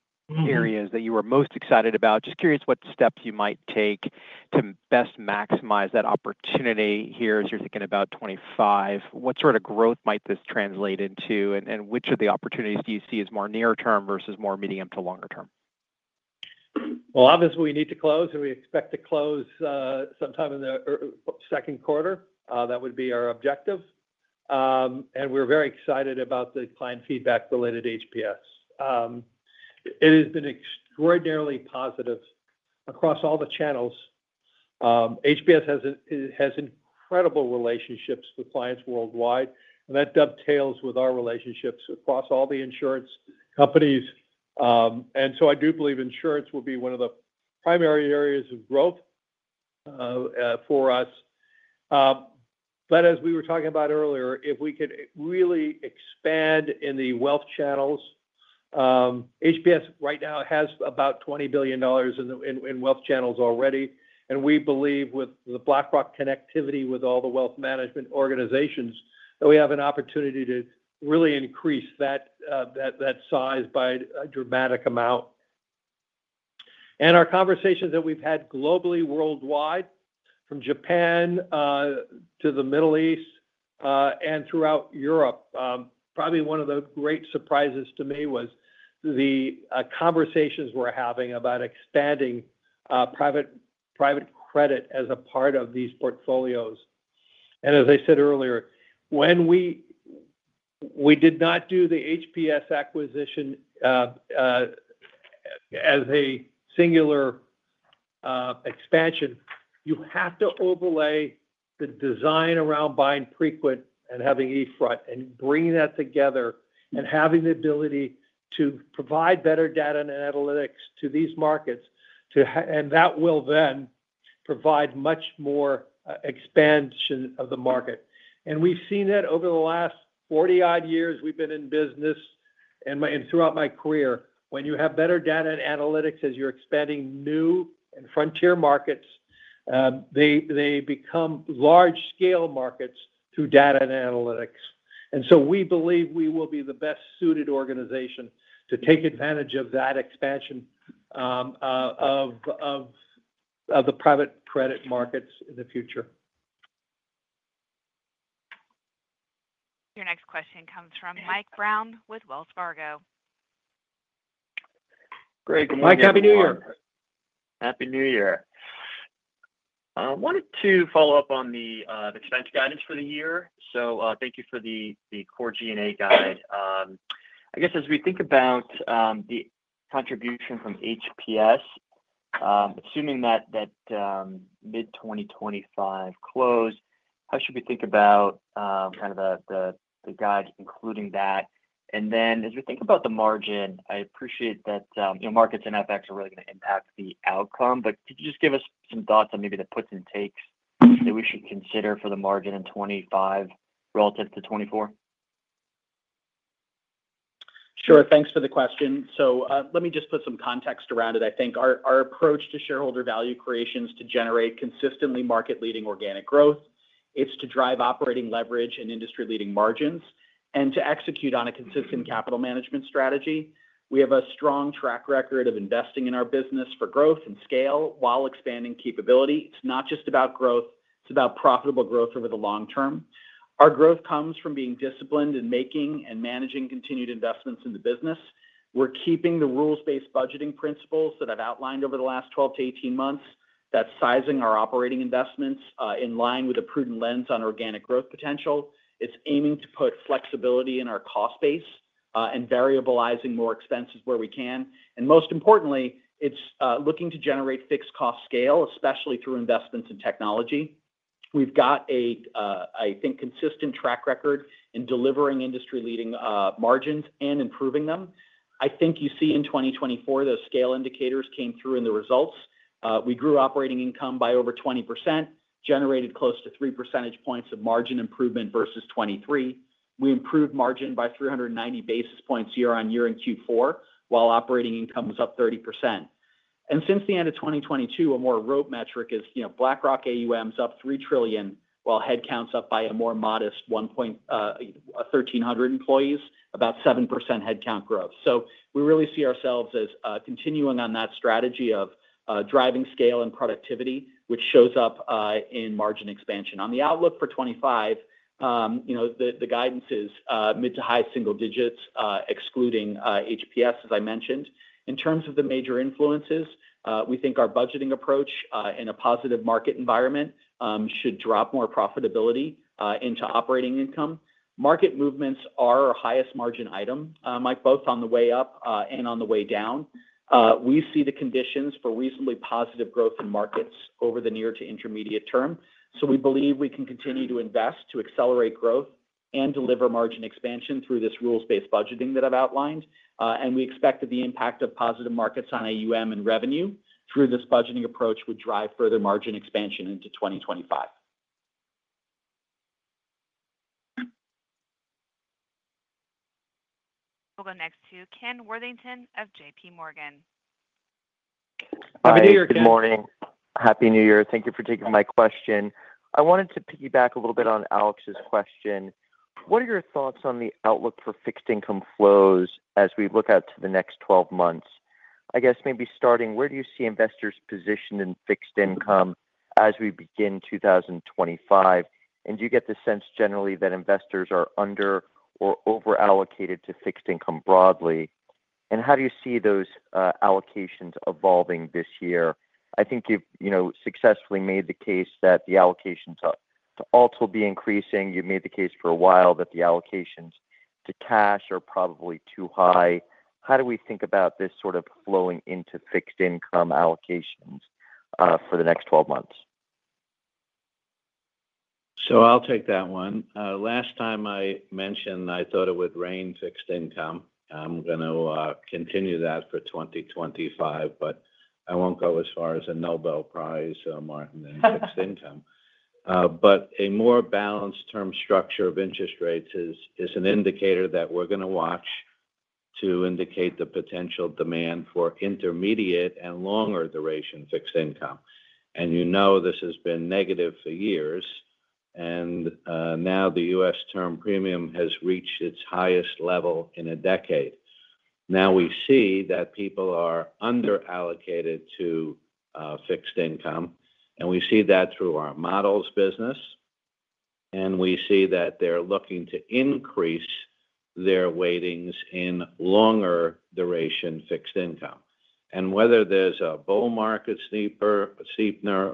areas that you were most excited about. Just curious what steps you might take to best maximize that opportunity here as you're thinking about 2025? What sort of growth might this translate into? And which of the opportunities do you see as more near-term versus more medium to longer-term? Well, obviously, we need to close, and we expect to close sometime in the second quarter. That would be our objective. And we're very excited about the client feedback related to HPS. It has been extraordinarily positive across all the channels. HPS has incredible relationships with clients worldwide, and that dovetails with our relationships across all the insurance companies, and so I do believe insurance will be one of the primary areas of growth for us, but as we were talking about earlier, if we could really expand in the wealth channels, HPS right now has about $20 billion in wealth channels already, and we believe with the BlackRock connectivity with all the wealth management organizations that we have an opportunity to really increase that size by a dramatic amount, and our conversations that we've had globally, worldwide, from Japan to the Middle East and throughout Europe, probably one of the great surprises to me was the conversations we're having about expanding private credit as a part of these portfolios. As I said earlier, when we did not do the HPS acquisition as a singular expansion, you have to overlay the design around buying Preqin and having eFront and bringing that together and having the ability to provide better data and analytics to these markets. And that will then provide much more expansion of the market. And we've seen that over the last 40-odd years we've been in business and throughout my career. When you have better data and analytics as you're expanding new and frontier markets, they become large-scale markets through data and analytics. And so we believe we will be the best-suited organization to take advantage of that expansion of the private credit markets in the future. Your next question comes from Mike Brown with Wells Fargo. Craig, good morning. Mike, happy New Year. Happy New Year. I wanted to follow up on the expense guidance for the year. So thank you for the core G&A guide. I guess as we think about the contribution from HPS, assuming that mid-2025 close, how should we think about kind of the guide, including that? And then as we think about the margin, I appreciate that markets and FX are really going to impact the outcome. But could you just give us some thoughts on maybe the puts and takes that we should consider for the margin in 2025 relative to 2024? Sure. Thanks for the question. So let me just put some context around it. I think our approach to shareholder value creation is to generate consistently market-leading organic growth, to drive operating leverage and industry-leading margins, and to execute on a consistent capital management strategy. We have a strong track record of investing in our business for growth and scale while expanding capability. It's not just about growth. It's about profitable growth over the long term. Our growth comes from being disciplined in making and managing continued investments in the business. We're keeping the rules-based budgeting principles that I've outlined over the last 12-18 months. That's sizing our operating investments in line with a prudent lens on organic growth potential. It's aiming to put flexibility in our cost base and variabilizing more expenses where we can. And most importantly, it's looking to generate fixed cost scale, especially through investments in technology. We've got, I think, a consistent track record in delivering industry-leading margins and improving them. I think you see in 2024, those scale indicators came through in the results. We grew operating income by over 20%, generated close to 3 percentage points of margin improvement versus 2023. We improved margin by 390 basis points year on year in Q4, while operating income was up 30%. And since the end of 2022, a more rote metric is BlackRock AUMs up $3 trillion, while headcounts up by a more modest 1,300 employees, about 7% headcount growth. So we really see ourselves as continuing on that strategy of driving scale and productivity, which shows up in margin expansion. On the outlook for 2025, the guidance is mid to high single digits, excluding HPS, as I mentioned. In terms of the major influences, we think our budgeting approach in a positive market environment should drop more profitability into operating income. Market movements are our highest margin item, Mike, both on the way up and on the way down. We see the conditions for reasonably positive growth in markets over the near to intermediate term. So we believe we can continue to invest to accelerate growth and deliver margin expansion through this rules-based budgeting that I've outlined, and we expect that the impact of positive markets on AUM and revenue through this budgeting approach would drive further margin expansion into 2025. We'll go next to Ken Worthington of JP Morgan. Happy New Year, Ken. Happy New Year. Thank you for taking my question. I wanted to piggyback a little bit on Alex's question. What are your thoughts on the outlook for fixed income flows as we look out to the next 12 months? I guess maybe starting, where do you see investors positioned in fixed income as we begin 2025? And do you get the sense generally that investors are under or overallocated to fixed income broadly? And how do you see those allocations evolving this year? I think you've successfully made the case that the allocations to alts will be increasing. You've made the case for a while that the allocations to cash are probably too high. How do we think about this sort of flowing into fixed income allocations for the next 12 months? So I'll take that one. Last time I mentioned, I thought it would rain fixed income. I'm going to continue that for 2025, but I won't go as far as a Nobel Prize, Martin, in fixed income. But a more balanced term structure of interest rates is an indicator that we're going to watch to indicate the potential demand for intermediate and longer duration fixed income. And you know this has been negative for years. And now the U.S. term premium has reached its highest level in a decade. Now we see that people are underallocated to fixed income. We see that through our models business. We see that they're looking to increase their weightings in longer duration fixed income. Whether there's a bull market steepener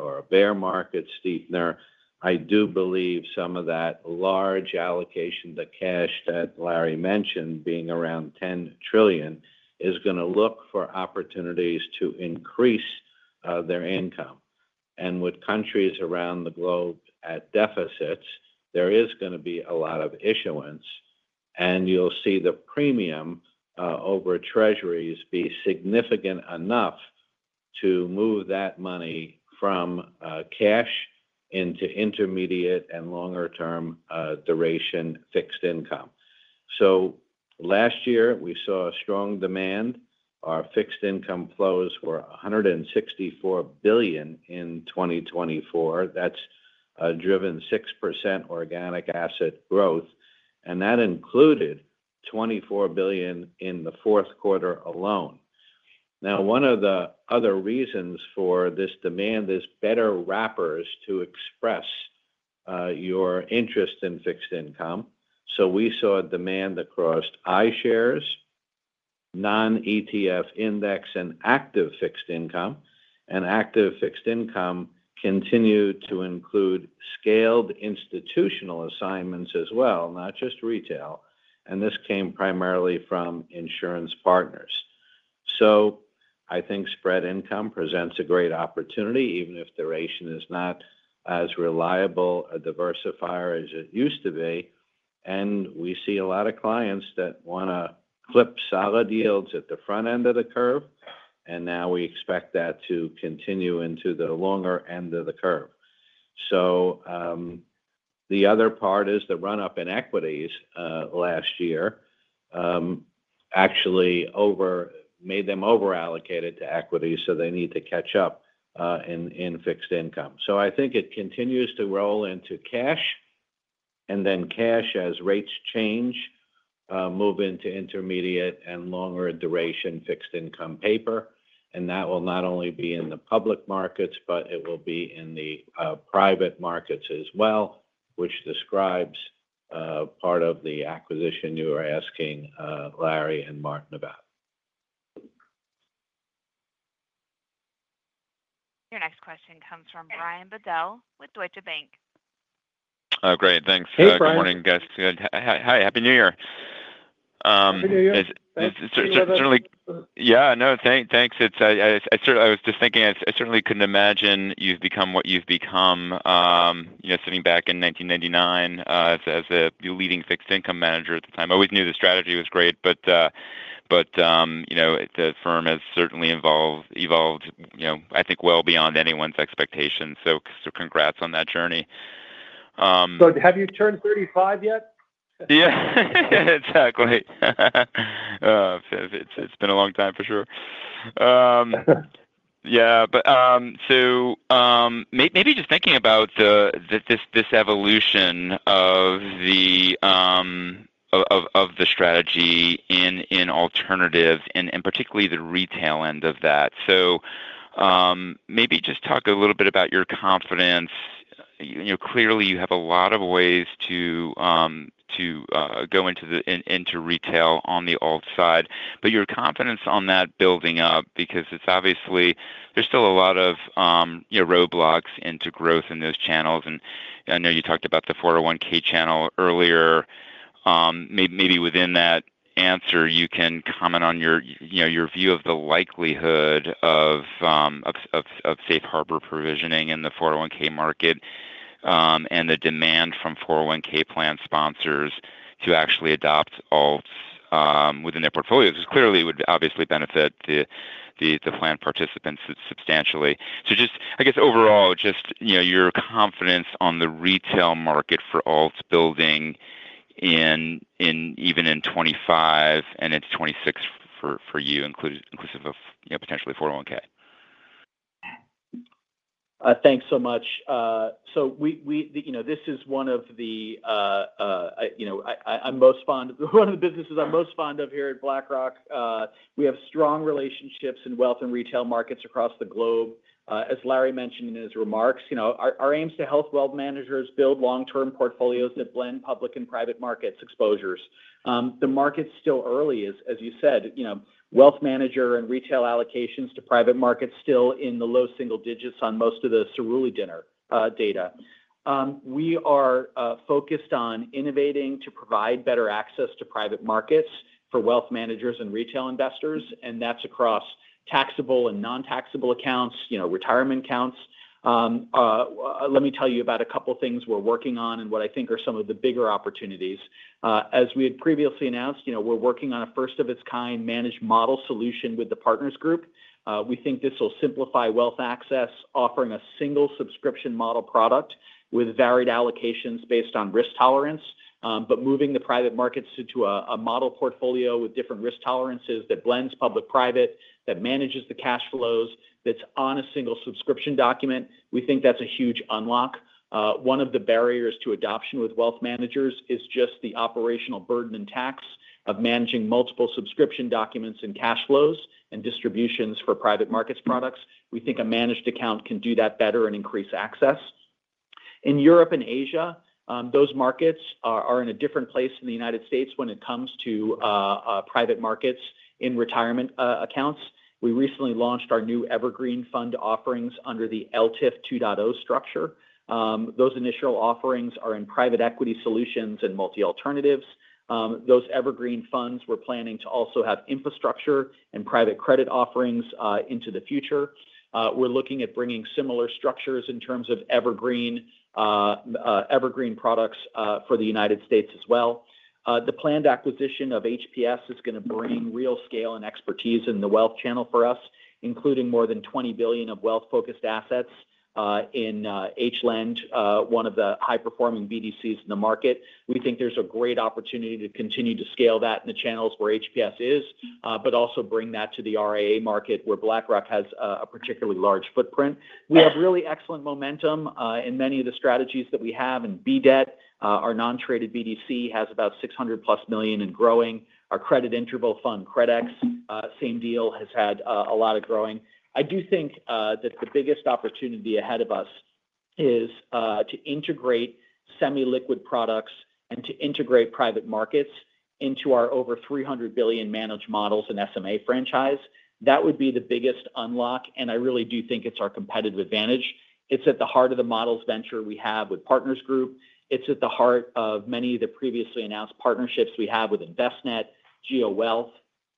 or a bear market steepener, I do believe some of that large allocation to cash that Larry mentioned being around $10 trillion is going to look for opportunities to increase their income. With countries around the globe at deficits, there is going to be a lot of issuance. You'll see the premium over treasuries be significant enough to move that money from cash into intermediate and longer-term duration fixed income. Last year, we saw strong demand. Our fixed income flows were $164 billion in 2024. That's driven 6% organic asset growth. That included $24 billion in the fourth quarter alone. Now, one of the other reasons for this demand is better wrappers to express your interest in fixed income. So we saw demand across iShares, non-ETF index, and active fixed income. And active fixed income continued to include scaled institutional assignments as well, not just retail. And this came primarily from insurance partners. So I think spread income presents a great opportunity, even if duration is not as reliable a diversifier as it used to be. And we see a lot of clients that want to clip solid yields at the front end of the curve. And now we expect that to continue into the longer end of the curve. So the other part is the run-up in equities last year actually made them overallocated to equities, so they need to catch up in fixed income. So I think it continues to roll into cash. And then cash, as rates change, move into intermediate and longer duration fixed income paper. And that will not only be in the public markets, but it will be in the private markets as well, which describes part of the acquisition you were asking Larry and Martin about. Your next question comes from Brian Bedell with Deutsche Bank. Great. Thanks. Good morning, guys. Hi. Happy New Year. Happy New Year. Certainly. Yeah. No, thanks. I was just thinking I certainly couldn't imagine you've become what you've become sitting back in 1999 as a leading fixed income manager at the time. I always knew the strategy was great. But the firm has certainly evolved, I think, well beyond anyone's expectations. So congrats on that journey. So have you turned 35 yet? Yeah. Exactly. It's been a long time, for sure. Yeah. So maybe just thinking about this evolution of the strategy in alternatives and particularly the retail end of that. So maybe just talk a little bit about your confidence. Clearly, you have a lot of ways to go into retail on the alt side. But your confidence on that building up because it's obviously there's still a lot of roadblocks into growth in those channels. And I know you talked about the 401(k) channel earlier. Maybe within that answer, you can comment on your view of the likelihood of safe harbor provisioning in the 401(k) market and the demand from 401(k) plan sponsors to actually adopt alts within their portfolios. Clearly, it would obviously benefit the plan participants substantially. So I guess overall, just your confidence on the retail market for alts building even in 2025 and into 2026 for you, inclusive of potentially 401(k). Thanks so much. This is one of the businesses I'm most fond of here at BlackRock. We have strong relationships in wealth and retail markets across the globe. As Larry mentioned in his remarks, our aim is to help wealth managers build long-term portfolios that blend public and private markets exposures. The market's still early, as you said. Wealth manager and retail allocations to private markets still in the low single digits on most of the Cerulli and other data. We are focused on innovating to provide better access to private markets for wealth managers and retail investors, and that's across taxable and non-taxable accounts, retirement accounts. Let me tell you about a couple of things we're working on and what I think are some of the bigger opportunities. As we had previously announced, we're working on a first-of-its-kind managed model solution with the Partners Group. We think this will simplify wealth access, offering a single subscription model product with varied allocations based on risk tolerance, but moving the private markets into a model portfolio with different risk tolerances that blends public-private, that manages the cash flows, that's on a single subscription document. We think that's a huge unlock. One of the barriers to adoption with wealth managers is just the operational burden and tax of managing multiple subscription documents and cash flows and distributions for private markets products. We think a managed account can do that better and increase access. In Europe and Asia, those markets are in a different place in the United States when it comes to private markets in retirement accounts. We recently launched our new evergreen fund offerings under the ELTIF 2.0 structure. Those initial offerings are in private equity solutions and multi-alternatives. Those evergreen funds, we're planning to also have infrastructure and private credit offerings into the future. We're looking at bringing similar structures in terms of evergreen products for the United States as well. The planned acquisition of HPS is going to bring real scale and expertise in the wealth channel for us, including more than $20 billion of wealth-focused assets in HLEND, one of the high-performing BDCs in the market. We think there's a great opportunity to continue to scale that in the channels where HPS is, but also bring that to the RIA market where BlackRock has a particularly large footprint. We have really excellent momentum in many of the strategies that we have. And BCRED, our non-traded BDC, has about $600+ million in growing. Our credit interval fund, CREDX, same deal, has had a lot of growing. I do think that the biggest opportunity ahead of us is to integrate semi-liquid products and to integrate private markets into our over $300 billion managed models and SMA franchise. That would be the biggest unlock. And I really do think it's our competitive advantage. It's at the heart of the models venture we have with Partners Group. It's at the heart of many of the previously announced partnerships we have with Envestnet, GeoWealth,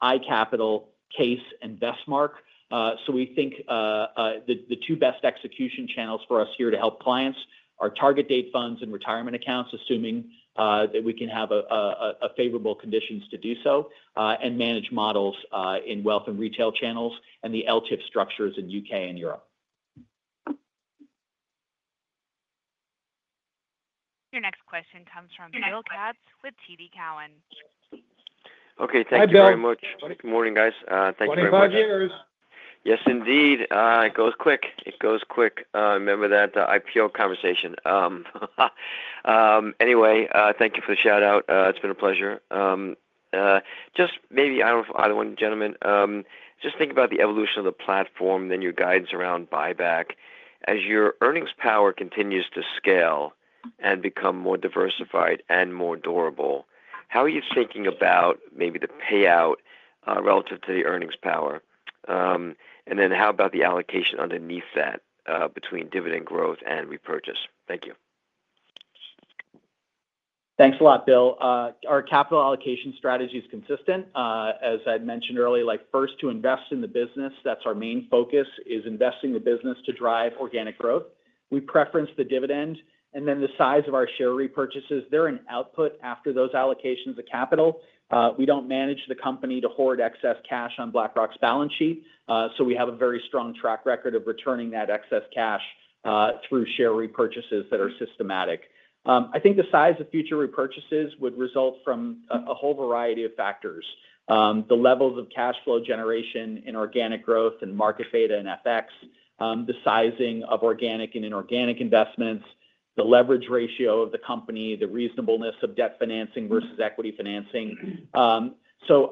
iCapital, CAIS, and Vestmark. So we think the two best execution channels for us here to help clients are target date funds and retirement accounts, assuming that we can have favorable conditions to do so, and managed models in wealth and retail channels and the LTIF structures in the U.K. and Europe. Your next question comes from Bill Katz with TD Cowen. Okay. Thank you very much. Good morning, guys. Thank you very much. Yes, indeed. It goes quick. It goes quick. Remember that IPO conversation. Anyway, thank you for the shout-out. It's been a pleasure. Just maybe I don't know if either one of the gentlemen just think about the evolution of the platform, then your guidance around buyback. As your earnings power continues to scale and become more diversified and more durable, how are you thinking about maybe the payout relative to the earnings power? And then how about the allocation underneath that between dividend growth and repurchase? Thank you. Thanks a lot, Bill. Our capital allocation strategy is consistent. As I mentioned earlier, first to invest in the business, that's our main focus, is investing the business to drive organic growth. We preference the dividend. And then the size of our share repurchases, they're an output after those allocations of capital. We don't manage the company to hoard excess cash on BlackRock's balance sheet, so we have a very strong track record of returning that excess cash through share repurchases that are systematic. I think the size of future repurchases would result from a whole variety of factors: the levels of cash flow generation in organic growth and market data and FX, the sizing of organic and inorganic investments, the leverage ratio of the company, the reasonableness of debt financing versus equity financing. So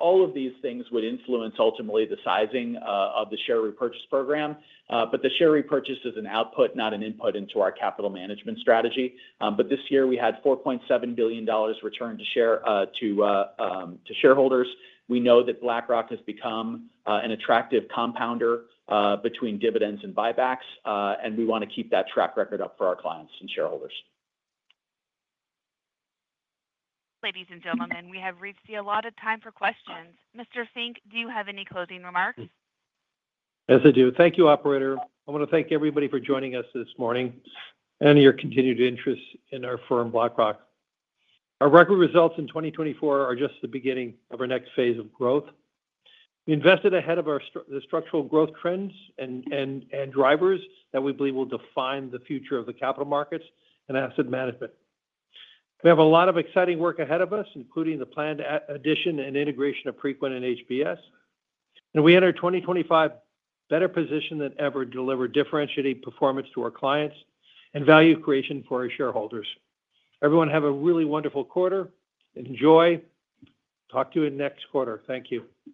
all of these things would influence ultimately the sizing of the share repurchase program, but the share repurchase is an output, not an input into our capital management strategy, but this year, we had $4.7 billion returned to shareholders. We know that BlackRock has become an attractive compounder between dividends and buybacks, and we want to keep that track record up for our clients and shareholders. Ladies and gentlemen, we have reached the allotted time for questions. Mr. Fink, do you have any closing remarks? Yes, I do. Thank you, Operator. I want to thank everybody for joining us this morning and your continued interest in our firm, BlackRock. Our record results in 2024 are just the beginning of our next phase of growth. We invested ahead of the structural growth trends and drivers that we believe will define the future of the capital markets and asset management. We have a lot of exciting work ahead of us, including the planned addition and integration of Preqin and HPS, and we enter 2025 in a better position than ever to deliver differentiated performance to our clients and value creation for our shareholders. Everyone, have a really wonderful quarter. Enjoy. Talk to you in next quarter. Thank you.